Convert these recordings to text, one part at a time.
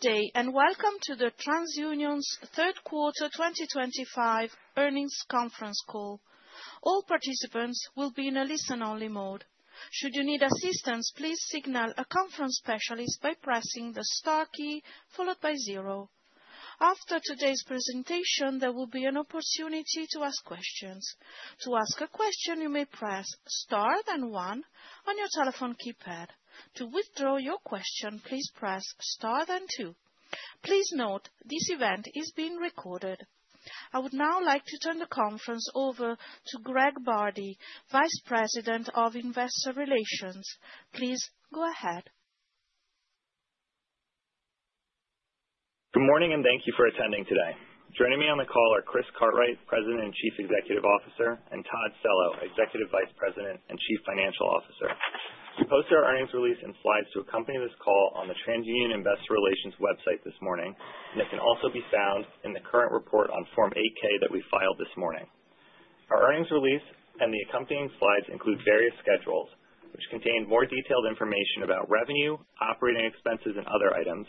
Good day and welcome to TransUnion's third quarter 2025 earnings conference call. All participants will be in a listen only mode. Should you need assistance, please signal a conference specialist by pressing the Star key followed by zero. After today's presentation there will be an opportunity to ask questions. To ask a question you may press star then one on your telephone keypad. To withdraw your question, please press Star then two. Please note this event is being recorded. I would now like to turn the conference over to Greg Bardi, Vice President of Investor Relations. Please go ahead. Good morning and thank you for attending today. Joining me on the call are Chris Cartwright, President and Chief Executive Officer and Todd Cello, Executive Vice President and Chief Financial Officer. We posted our earnings release and slides to accompany this call on the TransUnion investor relations website this morning and it can also be found in the current report on Form 8-K that we filed this morning. Our earnings release and the accompanying slides include various schedules which contain more detailed information about revenue, operating expenses and other items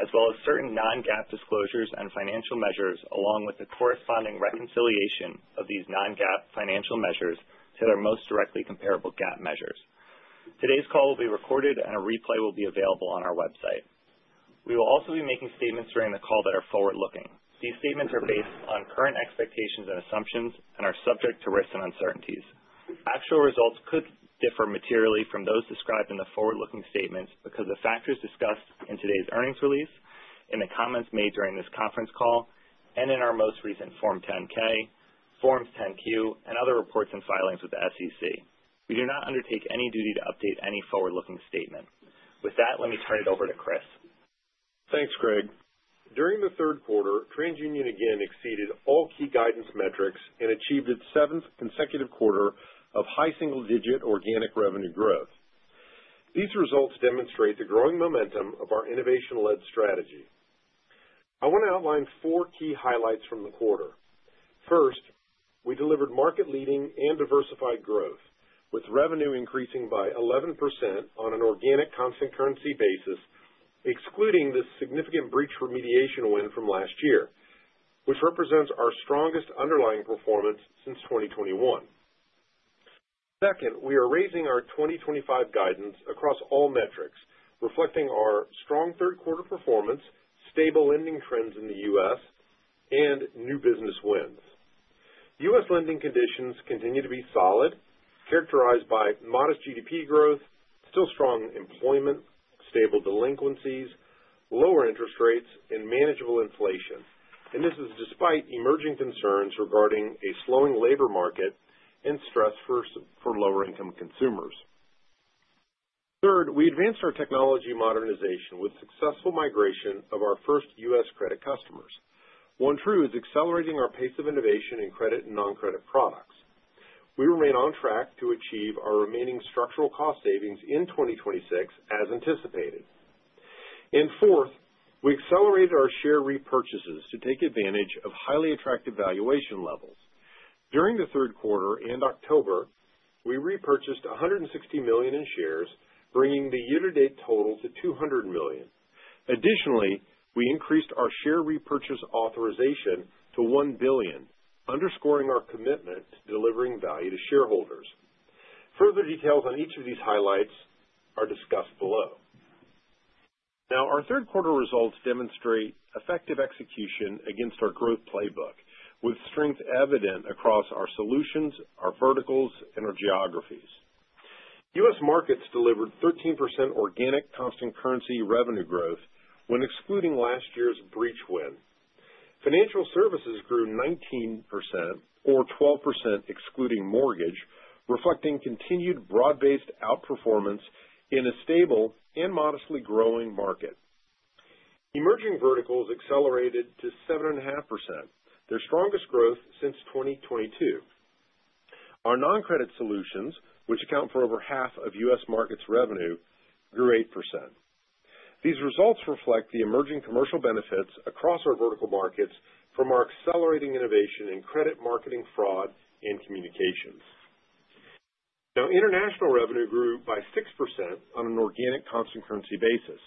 as well as certain non-GAAP disclosures and financial measures along with the corresponding reconciliation of these non-GAAP financial measures to their most directly comparable GAAP measures. Today's call will be recorded and a replay will be available on our website. We will also be making statements during the call that are forward looking. These statements are based on current expectations and assumptions and are subject to risks and uncertainties. Actual results could differ materially from those described in the forward looking statements because of factors discussed in today's earnings release and the comments made during this conference call and in our most recent Form 10K, Form 10Q and other reports and filings with the SEC. We do not undertake any duty to update any forward looking statement. With that, let me turn it over to Chris. Thanks, Craig. During the third quarter TransUnion again exceeded all key guidance metrics and achieved its seventh consecutive quarter of high single digit organic revenue growth. These results demonstrate the growing momentum of our innovation led strategy. I want to outline four key highlights from the quarter. First, we delivered market leading and diversified growth with revenue increasing by 11% on an organic constant currency basis excluding this significant breach remediation win from last year which represents our strongest underlying performance since 2021. Second, we are raising our 2025 guidance across all metrics reflecting our strong third quarter performance, stable lending trends in the. U.S. and new business wins. U.S. lending conditions continue to be solid, characterized by modest GDP growth, still strong employment, stable delinquencies, lower interest rates and manageable inflation, and this is despite emerging concerns regarding a slowing labor market and stress for lower income consumers. Third, we advanced our technology modernization with successful migration of our first U.S. Credit customers. OneTru is accelerating our pace of innovation in credit and noncredit products. We remain on track to achieve our remaining structural cost savings in 2026 as anticipated. And fourth, we accelerated our share repurchases to take advantage of highly attractive valuation levels. During the third quarter and October, we repurchased $160 million in shares, bringing the year-to-date total to $200 million. Additionally, we increased our share repurchase authorization to $1 billion, underscoring our commitment to delivering value to shareholders. Further details on each of these highlights are discussed below. Now our third quarter results demonstrate effective. Execution against our growth playbook with strength. Evident across our solutions, our verticals and our geographies. U.S. markets delivered 13% organic constant currency revenue growth when excluding last year's breach. In Financial Services grew 19% or 12% excluding mortgage, reflecting continued broad-based outperformance in a stable and modestly growing market. Emerging verticals accelerated to 7.5%, their strongest growth since 2022. Our noncredit solutions, which account for over half of U.S. markets revenue, grew 8%. These results reflect the emerging commercial benefits across our vertical markets from our accelerating. Innovation in credit, marketing, fraud and communications. Now International revenue grew by 6% on an organic constant currency basis.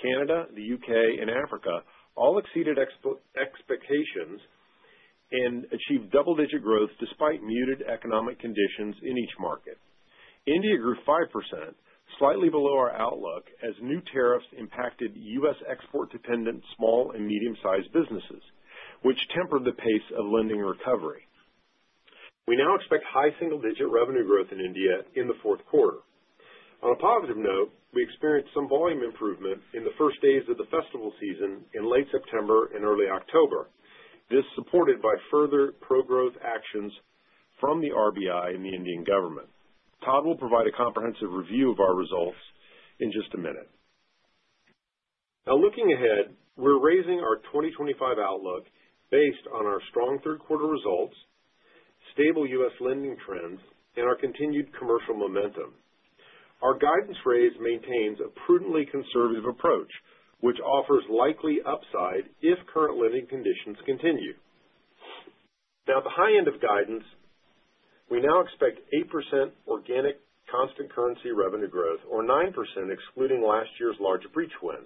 Canada, the U.K. and Africa all exceeded expectations and achieved double digit growth despite muted economic conditions in each market. India grew 5% slightly below our outlook as new tariffs impacted U.S. export dependent small and medium sized businesses which tempered the pace of lending recovery. We now expect high single digit revenue. Growth in India in the fourth quarter. On a positive note, we experienced some volume improvement in the first days of the festival season in late September and early October. This supported by further pro-growth actions. From the RBI and the Indian government. Todd will provide a comprehensive review of our results in just a minute. Now looking ahead, we're raising our 2025 outlook, and based on our strong third quarter results, stable U.S. lending trends, and our continued commercial momentum, our guidance raise maintains a prudently conservative approach, which offers likely upside if current lending conditions continue. Now, at the high end of guidance, we now expect 8% organic constant currency revenue growth or 9% excluding last year's large breach win,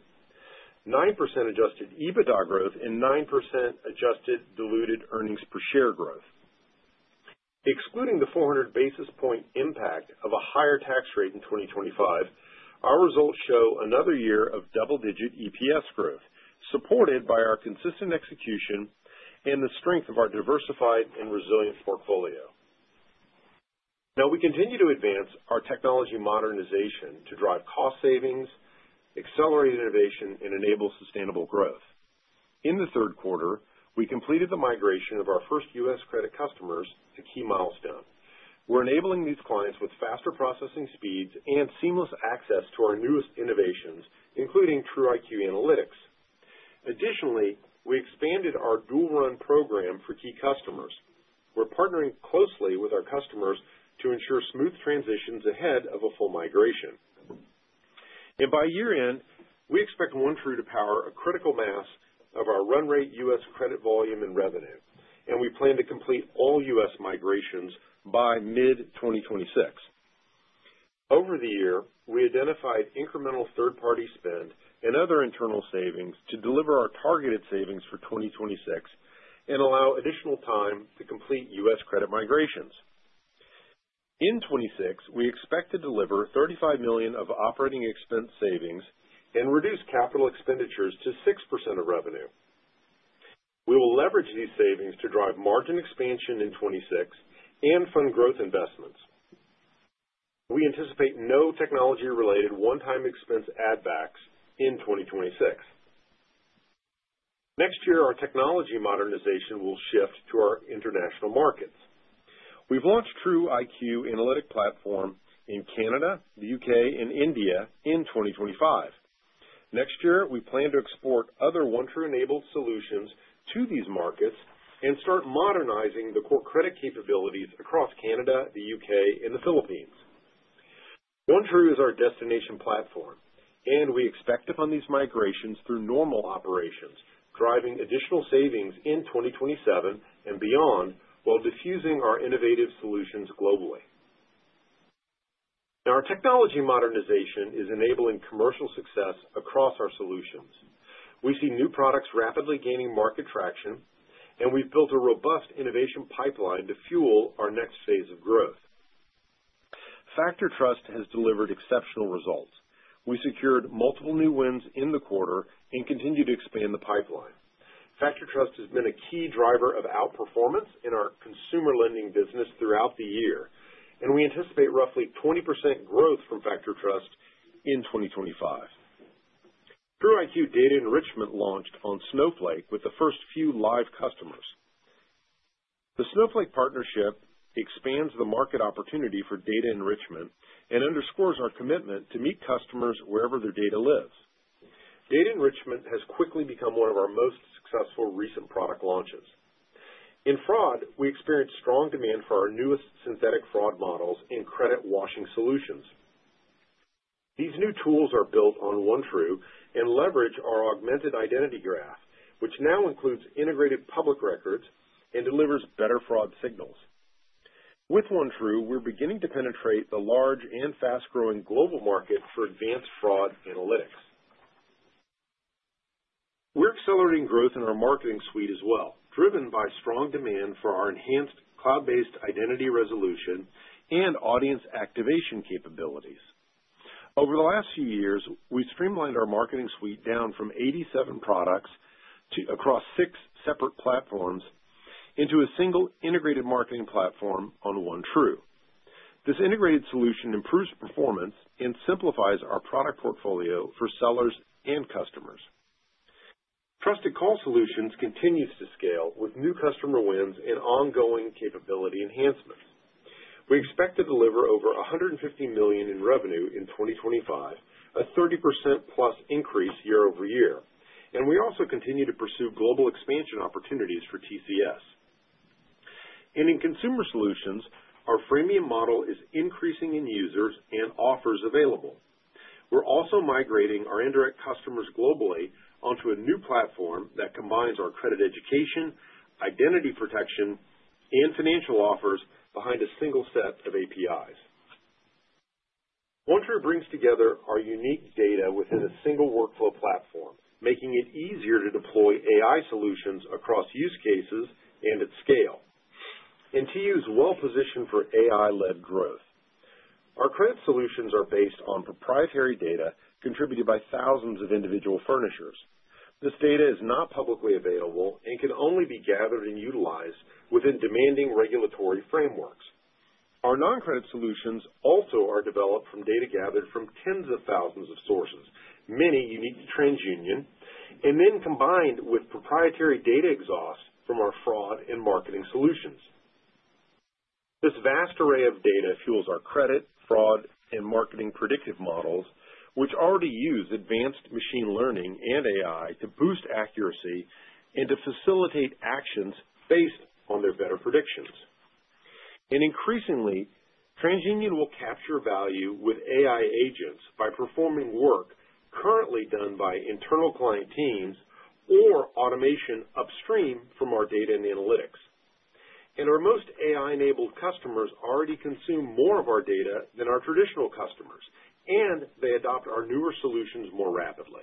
9% adjusted EBITDA growth, and 9% adjusted diluted earnings per share growth excluding the 400 basis points impact of a higher tax rate in 2025. Our results show another year of double-digit EPS growth supported by our consistent execution and the strength of our diversified and resilient portfolio. Now we continue to advance our technology. Modernization to drive cost savings, accelerate innovation. Enable sustainable growth. In the third quarter we completed the migration of our first U.S. Credit customers to key milestone. We're enabling these clients with faster processing speeds and seamless access to our newest innovations including TruIQ Analytics. Additionally, we expanded our dual run program for key customers. We're partnering closely with our customers to ensure smooth transitions ahead of a full migration. And by year-end we expect OneTru to power a critical mass of our run rate, U.S. credit volume and revenue and we plan to complete all U.S. migrations by mid-2026. Over the year, we identified incremental third-party spend and other internal savings to deliver our targeted savings for 2026 and allow additional time to complete U.S. credit migrations. In 2026 we expect to deliver $35 million of operating expense savings and reduce capital expenditures to 6% of revenue. We will leverage these savings to drive. Margin expansion in 2026 and fund growth investments. We anticipate no technology-related one-time expense. Add-backs in 2026. Next year our technology modernization will shift to our international markets. We've launched TruIQ Analytics platform in Canada, the U.K. and India in 2025. Next year we plan to export other OneTru enabled solutions to these markets and start modernizing the core credit capabilities across Canada, the U.K. and the Philippines. OneTru is our destination platform and we expect to fund these migrations through normal operations, driving additional savings in 2027 and beyond while diffusing our innovative solutions globally. Now our technology modernization is enabling commercial success. Across our solutions, we see new products rapidly gaining market traction and we've built a robust innovation pipeline to fuel our. Next phase of growth. FactorTrust has delivered exceptional results. We secured multiple new wins in the quarter and continue to expand the pipeline. FactorTrust has been a key driver of outperformance in our consumer lending business throughout the year and we anticipate roughly 20% growth from FactorTrust in 2025. TruIQ Data Enrichment launched on Snowflake with the first few live customers. The Snowflake partnership expands the market opportunity for data enrichment and underscores our commitment to meet customers wherever their data lives. Data enrichment has quickly become one of our most successful recent product launches. In fraud, we experienced strong demand for our newest synthetic fraud models and credit washing solutions. These new tools are built on OneTru and leverage our augmented identity graph which now includes integrated public records and delivers better fraud signals. With OneTru, we're beginning to penetrate the large and fast growing global market for advanced fraud analytics. We're accelerating growth in our marketing suite as well, driven by strong demand for our enhanced cloud-based identity resolution and audience activation capabilities. Over the last few years, we streamlined our marketing suite down from 87 products across six separate platforms into a single integrated marketing platform on OneTru. This integrated solution improves performance and simplifies our product portfolio for sellers and customers. Trusted Call Solutions continues to scale with new customer wins and ongoing capability enhancements. We expect to deliver over $150 million in revenue in 2025, a 30% plus increase year over year, and we also continue to pursue global expansion opportunities for TCS and in consumer solutions. Our freemium model is increasing in users and offers available. We're also migrating our indirect customers globally onto a new platform that combines our credit education, identity protection and financial offers behind a single set of APIs. OneTru brings together our unique data. Within a single workflow platform, making it. Easier to deploy AI solutions across use cases and at scale. And TU is well positioned for AI led growth. Our credit solutions are based on proprietary data contributed by thousands of individual furnishers. This data is not publicly available and can only be gathered and utilized within demanding regulatory frameworks. Our noncredit solutions also are developed from data gathered from tens of thousands of sources, many unique to TransUnion, and then combined with proprietary data exhaust from our fraud and marketing solutions. This vast array of data fuels our credit fraud and marketing predictive models which already use advanced machine learning and AI to boost accuracy and to facilitate actions based on their better predictions. And increasingly, TransUnion will capture value with AI agents by performing work currently done by internal client teams or automation upstream from our data and analytics. And our most AI-enabled customers already consume more of our data than our traditional customers and they adopt our newer solutions more rapidly.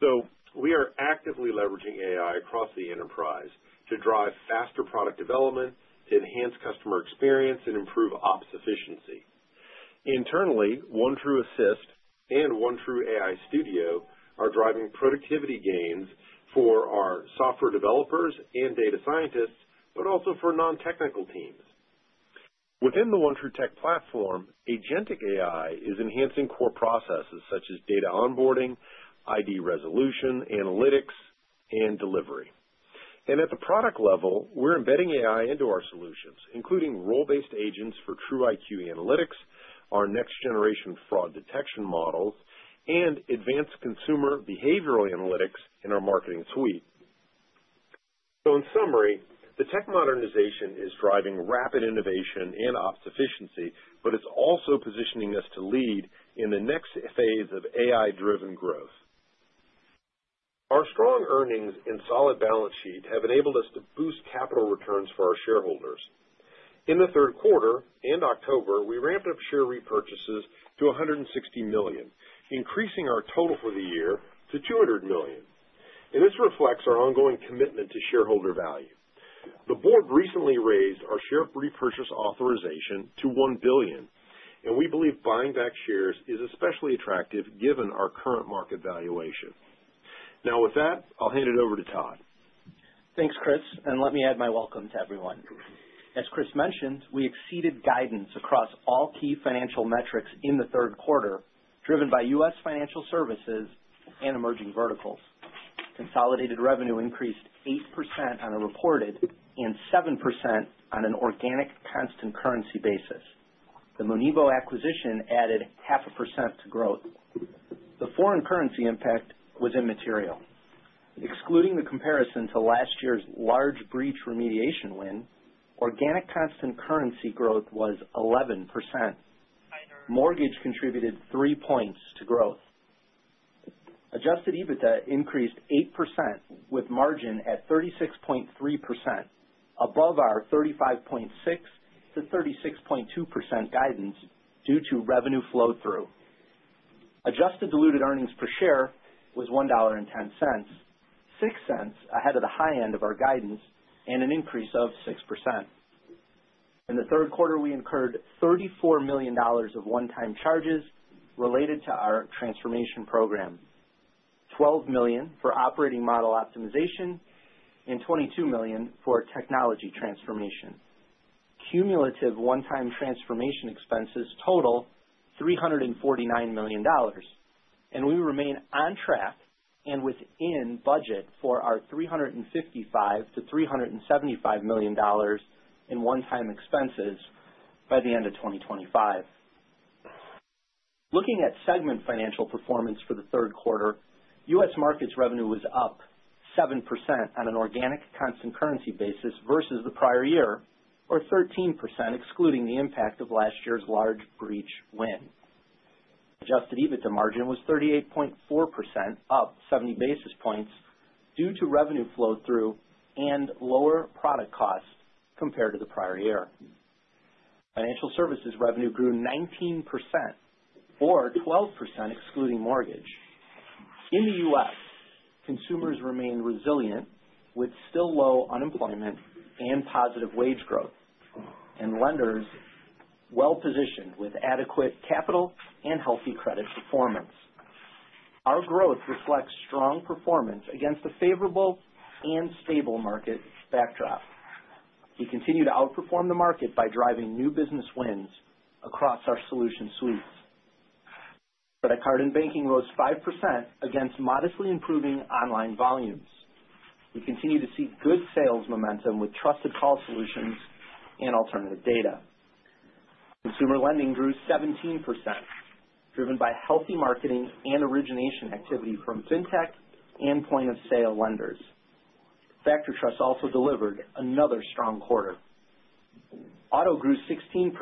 So we are actively leveraging AI across the enterprise to drive faster product development to enhance customer experience and improve Ops efficiency. Internally, OneTru Assist and OneTru Studio are driving productivity gains for our software developers and data scientists, but also for non-technical teams. Within the OneTech platform, Agentic AI is enhancing core processes such as data onboarding. ID resolution, analytics and delivery. and at the product level, we're embedding AI into our solutions including role-based agents for TruIQ Analytics, our next-generation fraud detection models and advanced consumer behavioral analytics in our marketing suite. so in summary, the tech modernization is driving rapid innovation and ops efficiency, but it's also positioning us to lead in the next phase of AI-driven growth. Our strong earnings and solid balance sheet have enabled us to boost capital returns for our shareholders. In the third quarter and October, we ramped up share repurchases to $160 million, increasing our total for the year to $200 million, and this reflects our ongoing commitment to shareholder value. The Board recently raised our share repurchase authorization to $1 billion, and we believe buying back shares is especially attractive given our current market valuation. Now with that, I'll hand it over to Todd. Thanks, Chris, and let me add my welcome to everyone. As Chris mentioned, we exceeded guidance across all key financial metrics in the third quarter driven by U.S. financial services and emerging verticals. Consolidated revenue increased 8% on a reported and 7% on an organic constant currency basis. The Monivo acquisition added 0.5% to growth. The foreign currency impact was immaterial. Excluding the comparison to last year's large breach remediation, U.S. organic constant currency growth was 11%. Mortgage contributed 3 points to growth. Adjusted EBITDA increased 8% with margin at 36.3% above our 35.6%-36.2% guidance due to revenue flow-through. Adjusted Diluted Earnings Per Share was $1.10, $0.06 ahead of the high end of our guidance and an increase of 6% in the third quarter. We incurred $34 million of one-time charges related to our transformation program, $12 million for operating model optimization and $22 million for technology transformation. Cumulative one-time transformation expenses total $349 million and we remain on track and within budget for our $355-$375 million in one-time expenses by the end of 2025. Looking at segment financial performance for the third quarter, U.S. markets revenue was up 7% on an organic constant currency basis versus the prior year or 13% excluding the impact of last year's large breach win. Adjusted EBITDA margin was 38.4%, up 70 basis points due to revenue flow through and lower product cost compared to the prior year. Financial services revenue grew 19% or 12% excluding mortgage. In the U.S., consumers remain resilient with still low unemployment and positive wage growth and lenders well positioned with adequate capital and healthy credit performance. Our growth reflects strong performance against a favorable and stable market backdrop. We continue to outperform the market by driving new business wins across our solution suites. Credit card and banking rose 5% against modestly improving online volumes. We continue to see good sales momentum with Trusted Call Solutions and Alternative Data. Consumer lending grew 17% driven by healthy marketing and origination activity from fintech and point-of-sale lenders. FactorTrust also delivered another strong quarter. Auto grew 16%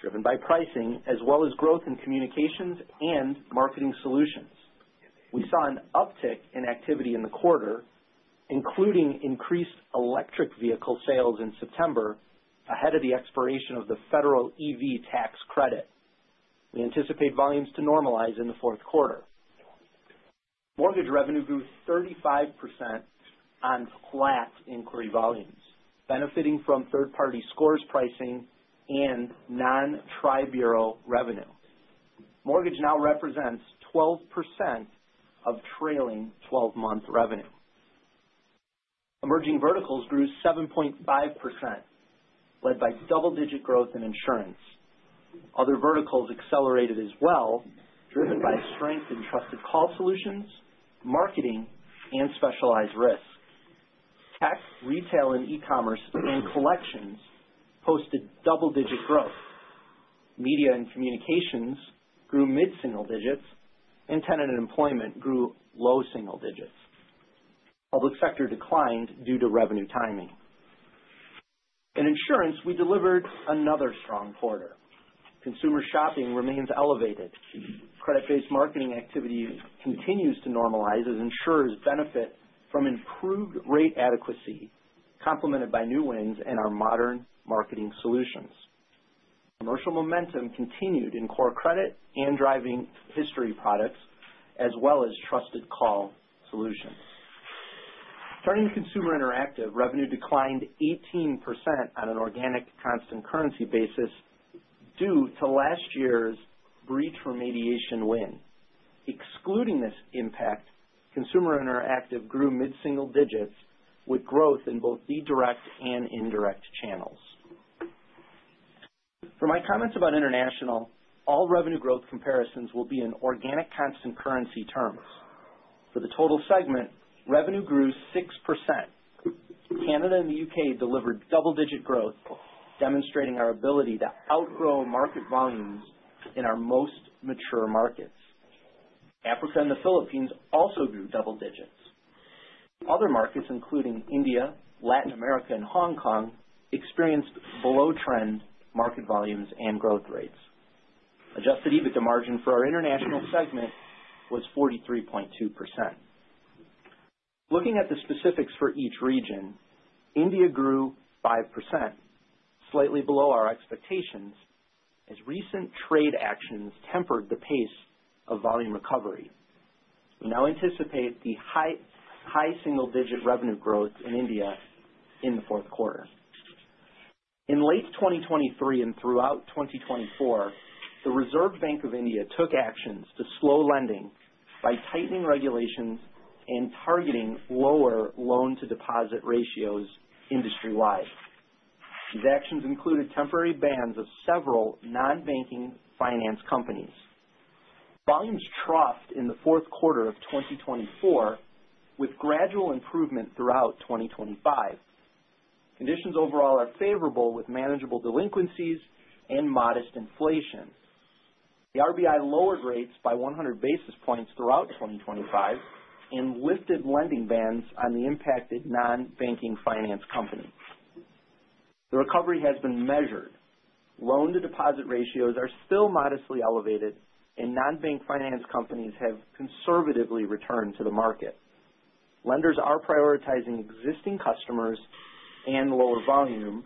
driven by pricing as well as growth in communications and marketing solutions. We saw an uptick in activity in the quarter including increased electric vehicle sales in September ahead of the expiration of the federal EV tax credit. We anticipate volumes to normalize in the fourth quarter. Mortgage revenue grew 35% on flat inquiry volumes benefiting from third-party scores, pricing and non-tribureau revenue. Mortgage now represents 12% of trailing 12-month revenue. Emerging verticals grew 7.5% led by double-digit growth in insurance. Other verticals accelerated as well driven by strength in Trusted Call Solutions, marketing and specialized risk tech. Retail and e-commerce and collections posted double-digit growth. Media and communications grew mid single digits and tenant employment grew low single digits. Public sector declined due to revenue timing. In insurance we delivered another strong quarter. Consumer shopping remains elevated. Credit based marketing activity continues to normalize as insurers benefit from improved rate adequacy complemented by new wins and our modern marketing solutions. Commercial momentum continued in core credit and driving history products as well as Trusted Call Solutions. Turning to Consumer Interactive, revenue declined 18% on an organic constant currency basis due to last year's breach remediation win. Excluding this impact, Consumer Interactive grew mid single digits with growth in both the direct and indirect channels. For my comments about international all revenue growth comparisons will be in organic constant currency terms. For the total segment, revenue grew 6%. Canada and the U.K. delivered double digit growth demonstrating our ability to outgrow market volumes in our most mature markets. Africa and the Philippines also grew double digits. Other markets including India, Latin America and Hong Kong experienced below trend market volumes and growth rates. Adjusted EBITDA margin for our international segment was 43.2%. Looking at the specifics for each region, India grew 5% slightly below our expectations as recent trade actions tempered the pace of volume recovery. We now anticipate the high single digit revenue growth in India in the fourth quarter. In late 2023 and throughout 2024, the Reserve Bank of India took actions to slow lending by tightening regulations and targeting lower loan to deposit ratios industry wide. These actions included temporary bans of several non-banking finance companies. Volumes troughed in the fourth quarter of 2024 with gradual improvement throughout 2025. Conditions overall are favorable with manageable delinquencies and modest inflation. The RBI lowered rates by 100 basis points throughout 2025 and lifted lending bans on the impacted non-banking finance company. The recovery has been measured. Loan-to-deposit ratios are still modestly elevated, and non-bank finance companies have conservatively returned to the market. Lenders are prioritizing existing customers and lower-volume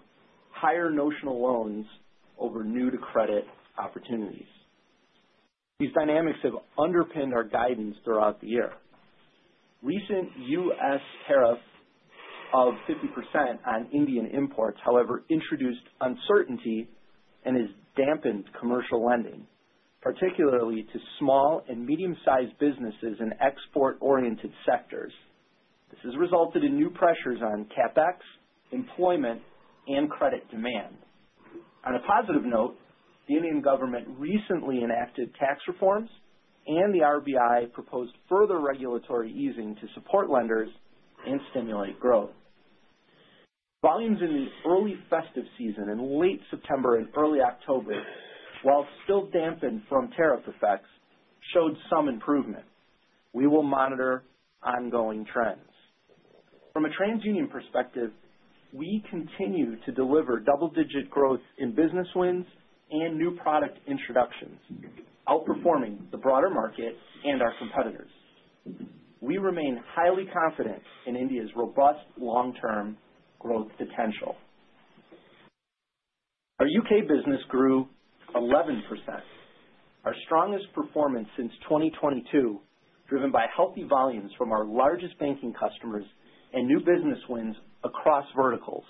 higher-notional loans over new-to-credit opportunities. These dynamics have underpinned our guidance throughout the year. Recent U.S. tariff of 50% on Indian imports, however, introduced uncertainty and has dampened commercial lending particularly to small- and medium-sized businesses in export-oriented sectors. This has resulted in new pressures on CapEx, employment, and credit demand. On a positive note, the Indian government recently enacted tax reforms and the RBI proposed further regulatory easing to support lenders and stimulate growth. Volumes in the early festive season in late September and early October, while still dampened from tariff effects, showed some improvement. We will monitor ongoing trends from a TransUnion perspective. We continue to deliver double digit growth in business wins and new product introductions outperforming the broader market and our competitors. We remain highly confident in India's robust long term growth potential. Our U.K. business grew 11%, our strongest performance since 2022 driven by healthy volumes from our largest banking customers and new business wins across verticals.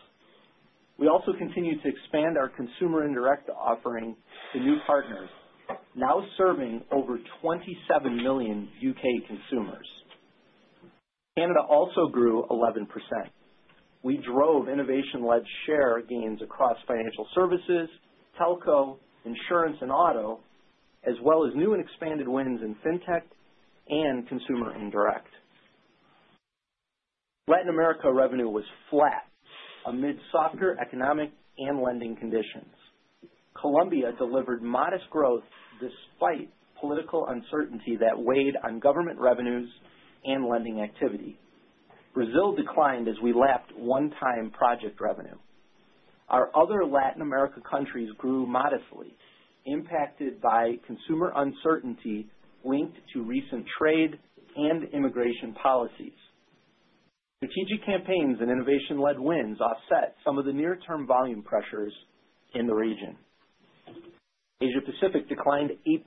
We also continue to expand our consumer indirect offering to new partners now serving over 27 million U.K. consumers. Canada also grew 11%. We drove innovation led share gains across financial services, telco, insurance and auto as well as new and expanded wins in fintech and consumer indirect. Latin America revenue was flat amid softer economic and lending conditions. Colombia delivered modest growth despite political uncertainty that weighed on government revenues and lending activity. Brazil declined as we lapped one-time project revenue. Our other Latin America countries grew modestly impacted by consumer uncertainty linked to recent trade and immigration policies. Strategic campaigns and innovation-led wins offset some of the near-term volume pressures in the region. Asia Pacific declined 8%.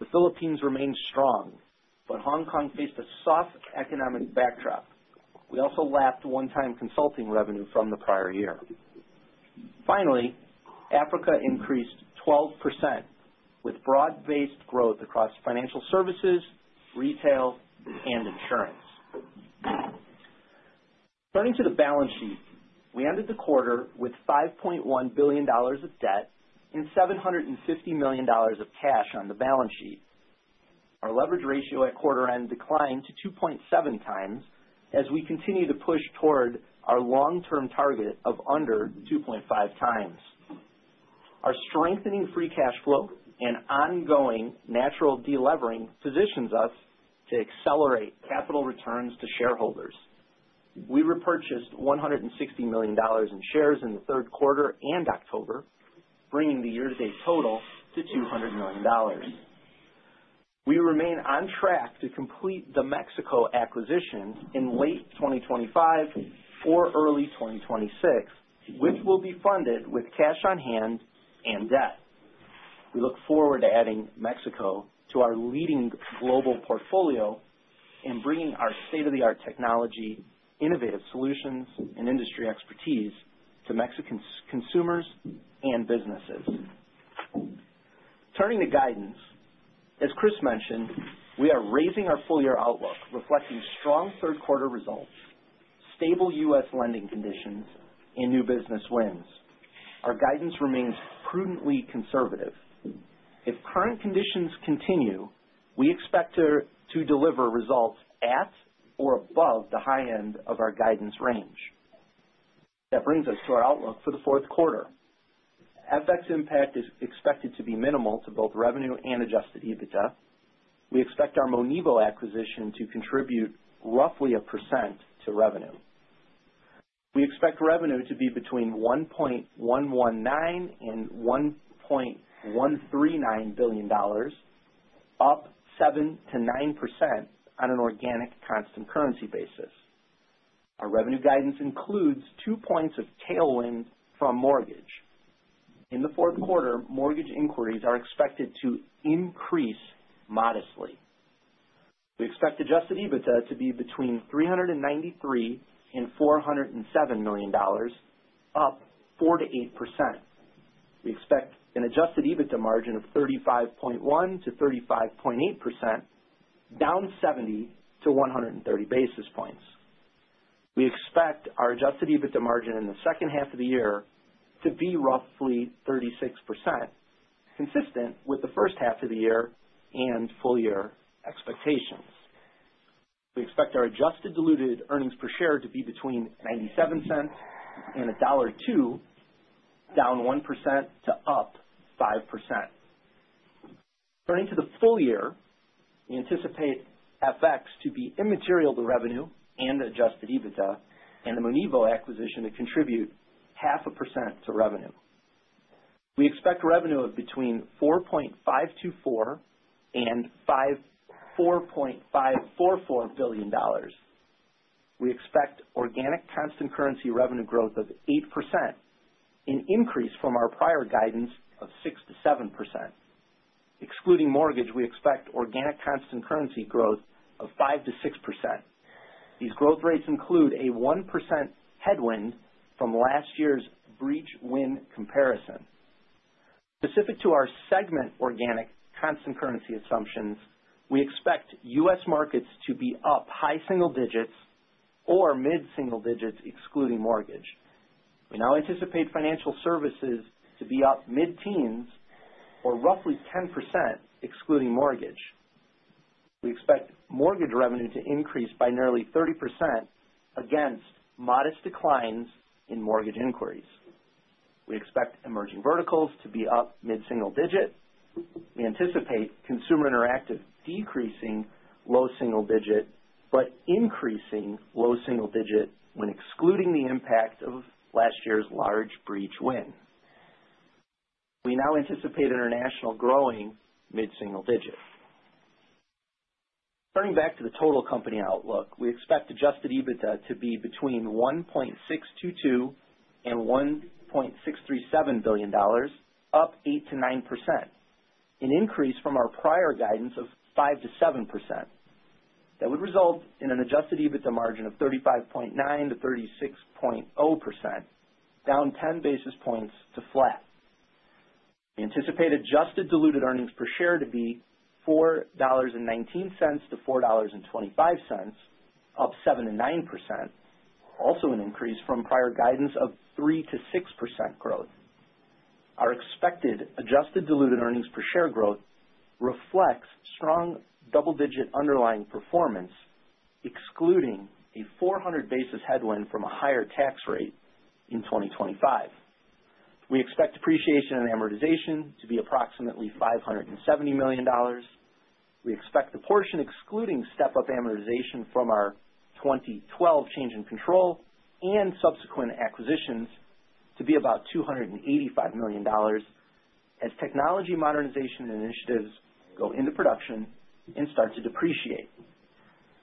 The Philippines remained strong but Hong Kong faced a slightly soft economic backdrop. We also lapped one-time consulting revenue from the prior year. Finally, Africa increased 12% with broad-based growth across financial services, retail and insurance. Turning to the balance sheet, we ended the quarter with $5.1 billion of debt and $750 million of cash on the balance sheet. Our leverage ratio at quarter end declined to 2.7x as we continue to push toward our long-term target of under 2.5x. Our strengthening free cash flow and ongoing natural delevering positions us to accelerate capital returns to shareholders. We repurchased $160 million in shares in the third quarter and October, bringing the year-to-date total to $200 million. We remain on track to complete the Mexico acquisition in late 2025 or early 2026, which will be funded with cash on hand and debt. We look forward to adding Mexico to our leading global portfolio and bringing our state-of-the-art technology, innovative solutions, and industry expertise to Mexican consumers and businesses. Turning to guidance. As Chris mentioned, we are raising our full year outlook reflecting strong third quarter results, stable U.S. Lending conditions and new business wins. Our guidance remains prudently conservative. If current conditions continue, we expect to deliver results at or above the high end of our guidance range. That brings us to our outlook for the fourth quarter. FX impact is expected to be minimal to both revenue and Adjusted EBITDA. We expect our Monivo acquisition to contribute roughly 1% to revenue. We expect revenue to be between $1.119-$1.139 billion, up 7%-9% on an organic constant currency basis. Our revenue guidance includes two points of tailwind from mortgage in the fourth quarter. Mortgage inquiries are expected to increase modestly. We expect Adjusted EBITDA to be between $393-$407 million, up 4%-8%. We expect an Adjusted EBITDA margin of 35.1%-35.8%, down 70-130 basis points. We expect our Adjusted EBITDA margin in the second half of the year to be roughly 36%, consistent with the first half of the year and full year expectations. We expect our Adjusted Diluted Earnings Per Share to be between $0.97 and $1.02, down 1% to up 5%. Turning to the full year, we anticipate FX to be immaterial to revenue and Adjusted EBITDA and the Monivo acquisition to contribute 0.5% to revenue. We expect revenue of between $4.524 and $4.544 billion. We expect organic constant currency revenue growth of 8%, an increase from our prior guidance of 6%-7%. Excluding mortgage, we expect organic constant currency growth of 5%-6%. These growth rates include a 1% headwind from last year's breach win comparison. Specific to our segment organic constant currency assumptions, we expect U.S. Markets to be up high single digits or mid single digits. Excluding mortgage. We now anticipate financial services to be up mid teens or roughly 10%. Excluding mortgage. We expect mortgage revenue to increase by nearly 30% against modest declines in mortgage inquiries. We expect emerging verticals to be up mid single digit. We anticipate Consumer Interactive decreasing low single digit but increasing low single digit, when excluding the impact of last year's large breach win. We now anticipate international growing mid-single-digit. Turning back to the total company outlook, we expect Adjusted EBITDA to be between $1.62 billion and $1.65 billion up 8%-9%, an increase from our prior guidance of 5%-7%. That would result in an Adjusted EBITDA margin of 35.9%-36.0%, down 10 basis points to flat. We anticipate Adjusted Diluted Earnings Per Share to be $4.19-$4.25 up 7%-9%. Also an increase from prior guidance of 3%-6% growth. Our expected Adjusted Diluted Earnings Per Share growth reflects strong double-digit underlying performance excluding a 400 basis point headwind from a higher tax rate. In 2025, we expect depreciation and amortization to be approximately $570 million. We expect the portion excluding step-up amortization from our 2012 change in control and subsequent acquisitions to be about $285 million. As technology modernization initiatives go into production and start to depreciate,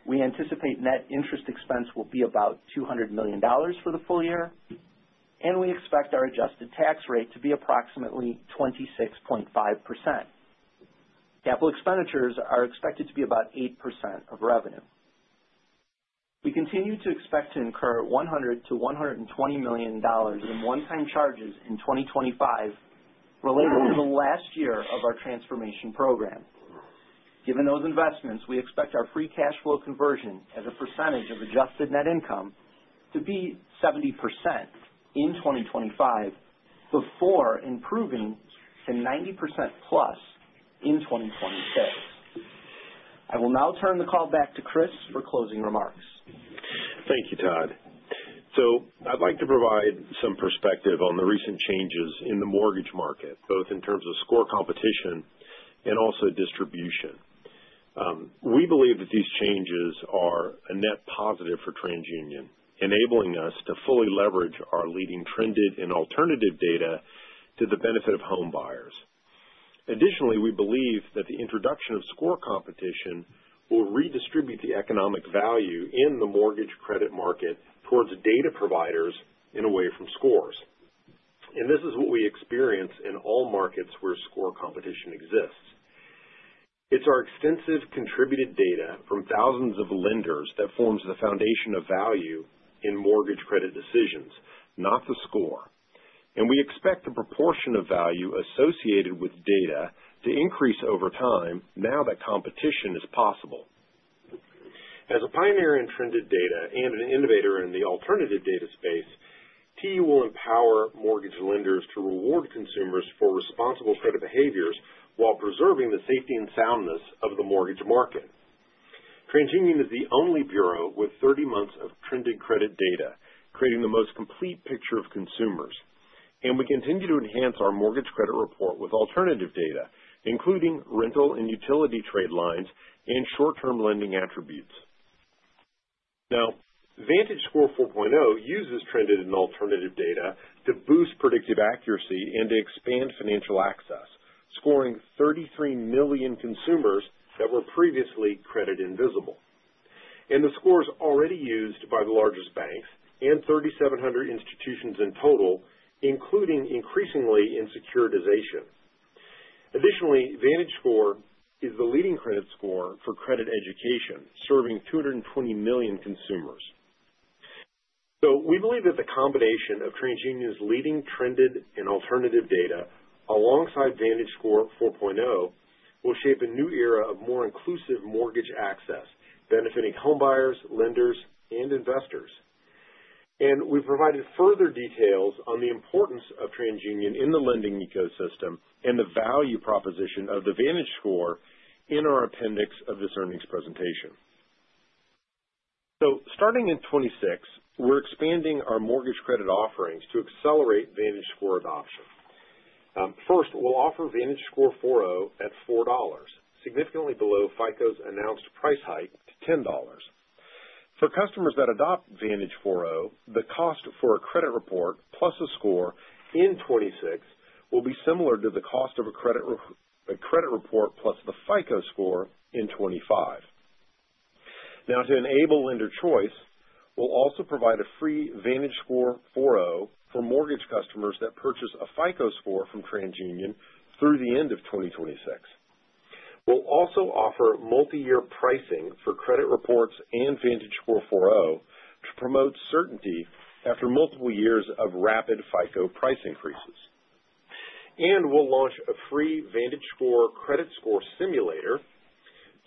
we anticipate net interest expense will be about $200 million for the full year and we expect our adjusted tax rate to be approximately 26.5%. Capital expenditures are expected to be about 8% of revenue. We continue to expect to incur $100-$120 million in one-time charges in 2025 related to the last year of our transformation program. Given those investments, we expect our free cash flow conversion as a percentage of adjusted net income to be 70% in 2025 before improving to 90% plus in 2026. I will now turn the call back to Chris for closing remarks. Thank you, Todd. So I'd like to provide some perspective. On the recent changes in the mortgage market both in terms of score competition and also distribution. We believe that these changes are a net positive for TransUnion, enabling us to fully leverage our leading trended and alternative data to the benefit of home buyers. Additionally, we believe that the introduction of score competition will redistribute the economic value in the mortgage credit market towards data. Providers and away from scores, and this is what we experience in. All markets where score competition exists. It's our extensive contributed data from thousands of lenders that forms the foundation of value in mortgage credit decisions, not the score. We expect the proportion of value associated with data to increase over time now that competition is possible. As a pioneer in trended data and an innovator in the alternative data space, TU will empower mortgage lenders to reward consumers for responsible credit behaviors while preserving the safety and soundness of the mortgage market. TransUnion is the only bureau with 30 months of trended credit data, creating the most complete picture of consumers. We continue to enhance our mortgage credit report with alternative data including rental and utility trade lines and short term lending attributes. Now VantageScore 4.0 uses trended and alternative data to boost predictive accuracy and to expand financial access, scoring 33 million consumers that were previously credit invisible and the scores already used by the largest banks and 3,700 institutions in total, including increasingly in securitization. Additionally, VantageScore is the leading credit score for credit education, serving 220 million consumers. So we believe that the combination of TransUnion's leading trended and alternative data alongside. VantageScore 4.0 will shape a new era of more inclusive mortgage access benefiting homebuyers, lenders and investors. And we provided further details on the importance of TransUnion in the lending ecosystem and the value proposition of the VantageScore in our appendix of this earnings presentation. So starting in 2026, we're expanding our mortgage credit offerings to accelerate VantageScore adoption. First, we'll offer VantageScore 4.0 at $4, significantly below FICO's announced price hike to $10. For customers that adopt VantageScore 4.0, the cost for a credit report plus a score in 2026 will be similar to the cost of a credit report plus the FICO score in 2025. Now, to enable lender choice, we'll also provide a free VantageScore 4.0 for mortgage customers that purchase a FICO score from TransUnion through the end of 2026. We'll also offer multi year pricing for credit reports and VantageScore 4.0 to promote certainty after multiple years of rapid FICO price increases. And we'll launch a free VantageScore credit score simulator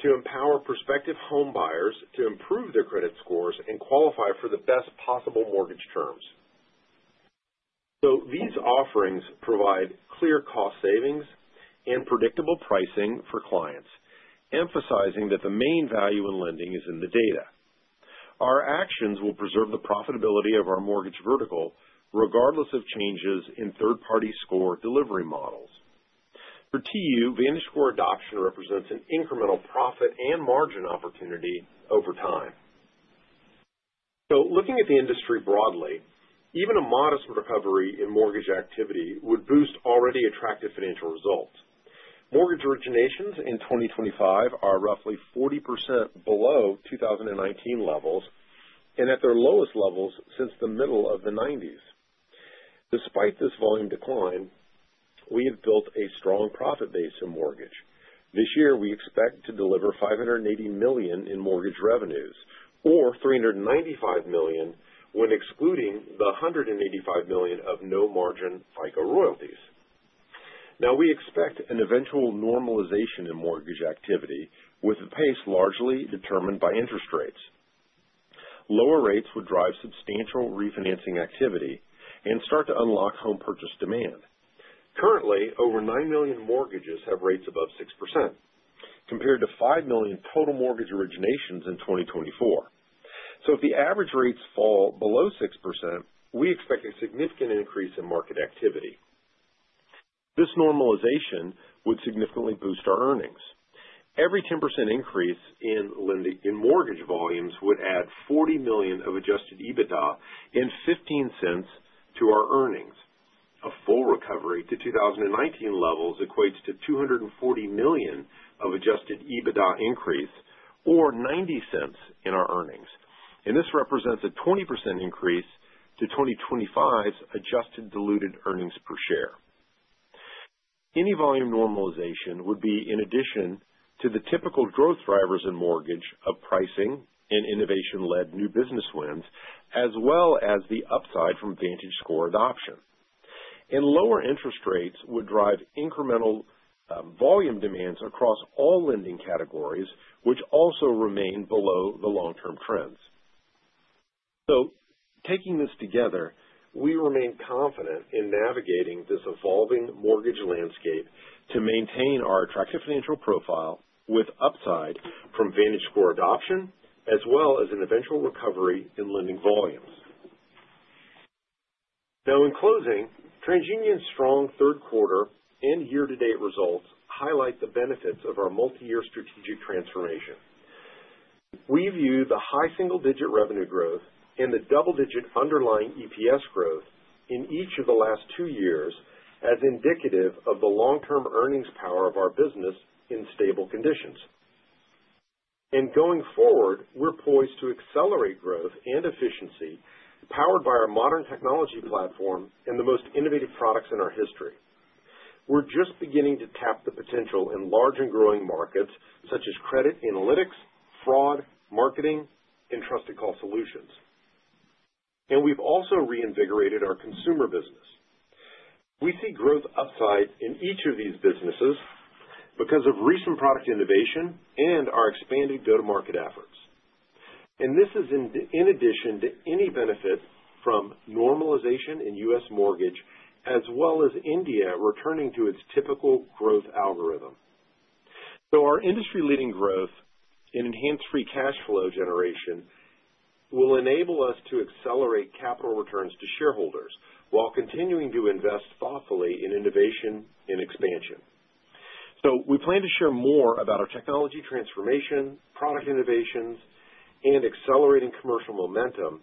to empower prospective home buyers to improve their credit score scores and qualify for the best possible mortgage terms. So these offerings provide clear cost savings and predictable pricing for clients, emphasizing that the main value in lending is in the data. Our actions will preserve the profitability of our mortgage vertical regardless of changes in third-party score delivery models for TU. VantageScore adoption represents an incremental profit and margin opportunity over time. So looking at the industry broadly, even a modest recovery in mortgage activity would boost already attractive financial results. Mortgage originations in 2025 are roughly 40% below 2019 levels and at their lowest levels since the middle of the 90s. Despite this volume decline, we have built a strong profit base in mortgage. This year we expect to deliver $580 million in mortgage revenues, or $395 million when excluding the $185 million of no margin FICO royalties. Now we expect an eventual normalization in mortgage activity with the pace largely determined by interest rates. Lower rates would drive substantial refinancing activity and start to unlock home purchase demand. Currently over nine million mortgages have rates above 6% compared to five million total mortgage originations in 2024. So if the average rates fall below 6%, we expect a significant increase in market activity. This normalization would significantly boost our earnings. Every 10% increase in mortgage volumes would add $40 million of Adjusted EBITDA and $0.15 to our earnings. A full recovery to 2019 levels equates to $240 million of Adjusted EBITDA increase or $0.90 in our earnings, and this represents a 20% increase to 2025's Adjusted Diluted Earnings Per Share. Any volume normalization would be in addition to the typical growth drivers in mortgage of pricing and innovation-led new business wins as well as the upside from VantageScore adoption, and lower interest rates would drive incremental volume demands across all lending categories which also remain below the long-term trends, so taking this together, we remain confident in navigating this evolving mortgage landscape to maintain our attractive financial profile with upside from VantageScore adoption as well as an eventual recovery in lending volumes. Now in closing, TransUnion's strong third quarter and year-to-date results highlight the benefits of our multiyear strategic transformation. We view the high single-digit revenue growth and the double-digit underlying EPS growth in each of the last two years as indicative of the long-term earnings power of our business in stable conditions and going forward we're poised to accelerate growth and efficiency. Powered by our modern technology platform and the most innovative products in our history. We're just beginning to tap the potential in large and growing markets such as credit analytics, fraud marketing and Trusted Call Solutions. And we've also reinvigorated our consumer business. We see growth upside in each of these businesses because of recent product innovation and our expanded go-to-market efforts. And this is in addition to any benefit from normalization in U.S. Mortgage as well as India returning to its typical growth algorithm. So our industry-leading growth and enhanced free cash flow generation will enable us to accelerate capital returns to shareholders while continuing to invest thoughtfully in innovation and expansion. So we plan to share more about our technology transformation, product innovations and accelerating commercial momentum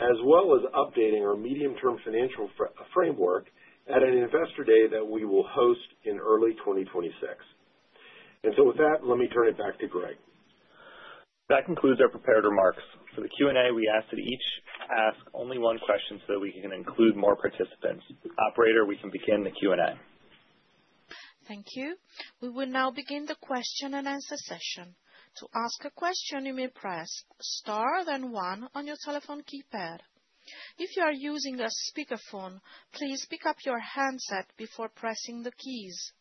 as well as updating our medium-term financial framework at an investor day that we will host in early 2026. And so with that let me turn it back to Greg. That concludes our prepared remarks for the Q and A. We ask that each ask only one question so that we can include more participants. Operator, we can begin the Q and A. Thank you. We will now begin the question and answer session. To ask a question, you may press Star then one on your telephone keypad. If you are using a speakerphone, please pick up your handset before pressing the keys.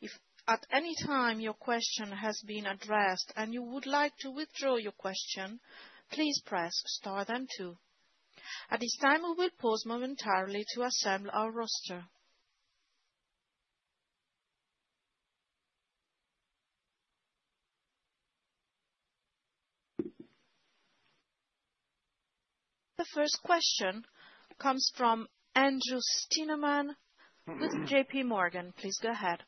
If at any time your question has been addressed and you would like to withdraw your question, please press them too. At this time, we will pause momentarily to assemble our roster. The first question comes from Andrew Steinerman with JPMorgan. Please go ahead.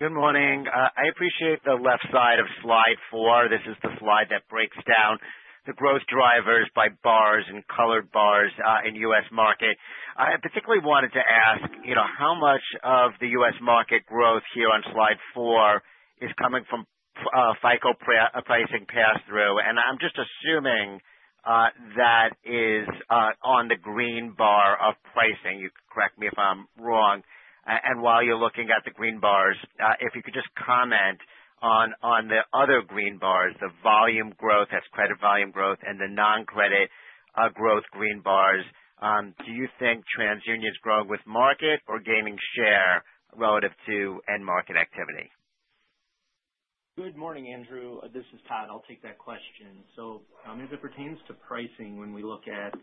Good morning. I appreciate the left side of slide four. This is the slide that breaks down the growth drivers by bars and colored bars in U.S. market. I particularly wanted to ask how much of the U.S. market growth here on slide four is coming from FICO pricing pass through and I'm just assuming that is on the green bar of pricing. You can correct me if I'm wrong. While you're looking at the green bars, if you could just comment on the other green bars, the volume growth, that's credit volume growth and the noncredit growth green bars. Do you think TransUnion is growing with market or gaining share relative to end market activity? Good morning, Andrew. This is Todd. I'll take that question. So as it pertains to pricing, when we look at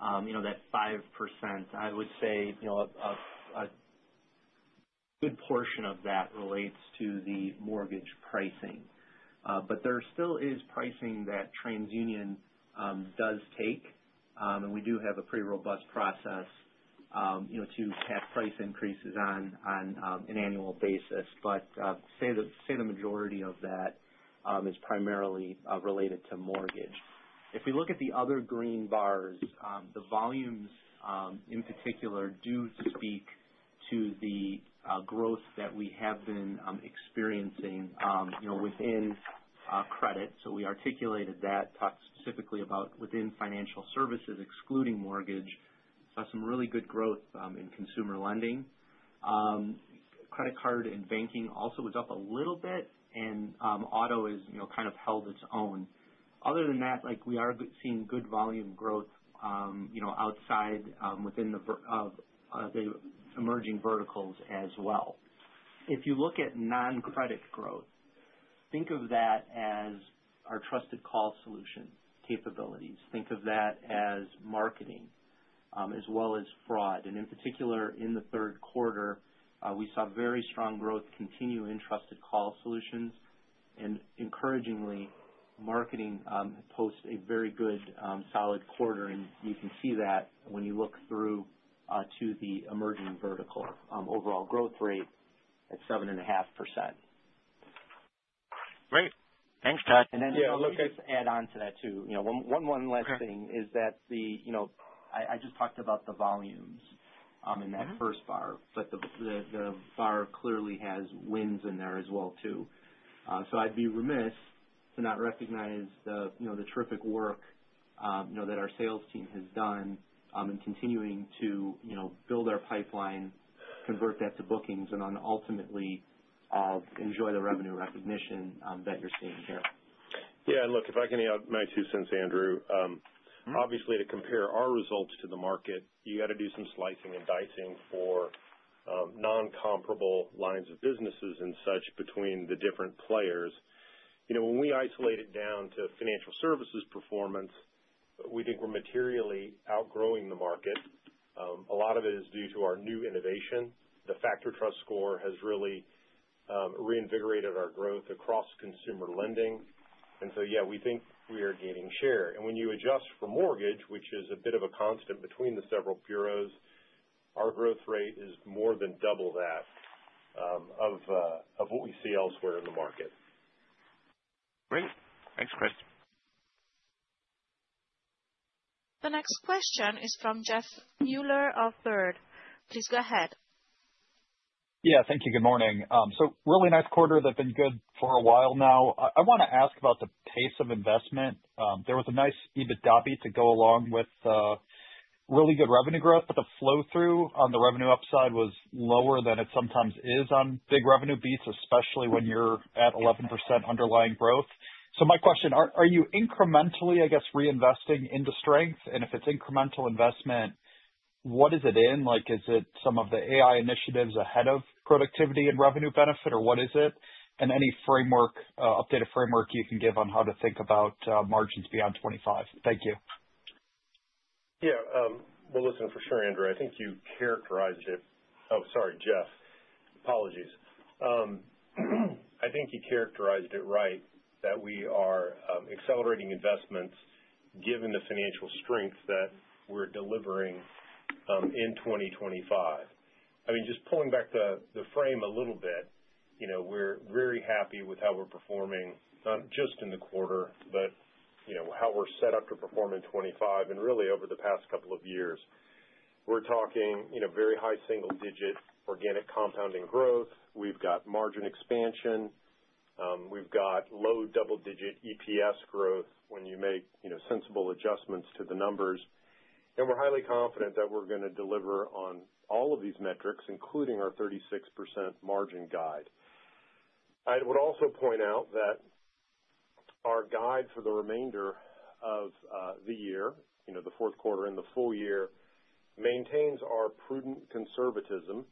that 5% I would say a good portion of that relates to the mortgage pricing. But there still is pricing that TransUnion does take and we do have a pretty robust process to pass price increases on an annual basis. But say the majority of that is primarily related to mortgage. If we look at the other green bars, the volumes in particular do speak to the growth that we have been experiencing within credit. So we articulated that talked specifically about within financial services excluding mortgage, some really good growth in consumer lending, credit card and banking also was up a little bit and auto is kind of held its own. Other than that we are seeing good volume growth outside within the emerging verticals as well. If you look at non-credit growth, think of that as our Trusted Call Solutions capabilities. Think of that as marketing as well as fraud. And in particular in the third quarter we saw very strong growth continue in Trusted Call Solutions and encouragingly marketing posted a very good solid quarter and you can see that when you look through to the emerging vertical overall growth rate at 7.5%. Great. Thanks, Todd. And then just add on to that too. One last thing is that, you know, I just talked about the volumes in that first bar, but the bar clearly has wins in there as well too. So I'd be remiss to not recognize the terrific work that our sales team has done in continuing to build our pipeline, convert that to bookings, and ultimately enjoy the revenue recognition that you're seeing here. Yeah, look, if I can add my two cents, Andrew. Obviously, to compare our results to the market, you got to do some slicing and dicing for non comparable lines of businesses and such between the different players. When we isolate it down to financial services performance, we think we're materially outgrowing the market. A lot of it is due to our new innovation. The FactorTrust score has really reinvigorated our growth across consumers, consumer lending and so yeah, we think we are gaining share. And when you adjust for mortgage, which is a bit of a constant between the several bureaus, our growth rate is more than double that of what we see elsewhere in the market. Great, thanks Chris. The next question is from Jeff Mueller of Baird. Please go ahead. Yes, so really nice quarter. They've been good for a while now. I want to ask about the pace of investment. There was a nice EBITDA beat to go along with really good revenue growth. But the flow through on the revenue upside was lower than it sometimes is on big revenue beats, especially when you're at 11% underlying growth. So my question, are you incrementally, I guess, reinvesting into strength and if it's incremental investment, what is it in like is it some of the AI initiatives ahead of productivity and revenue benefit or what is it? And any framework, updated framework you can give on how to think about margins beyond 25. Thank you. Yes, well, listen, for sure, Andrew. I think you characterized it. Oh, sorry, Jeff. Apologies. I think you characterized it right, that we are accelerating investments given the financial strength that we're delivering in 2025. I mean, just pulling back the frame a little bit, we're very happy with how we're performing not just in the quarter but how we're set up to perform in 2025, and really over the past couple of years we're talking very high single digit organic compounding growth. We've got margin expansion, we've got low double digit EPS growth when you make sensible adjustments to the numbers, and we're highly confident that we're going to deliver on all of these metrics including our 36% margin guide. I would also point out that our guide for the remainder of the year, the fourth quarter and the full year, maintains our prudent conservatism,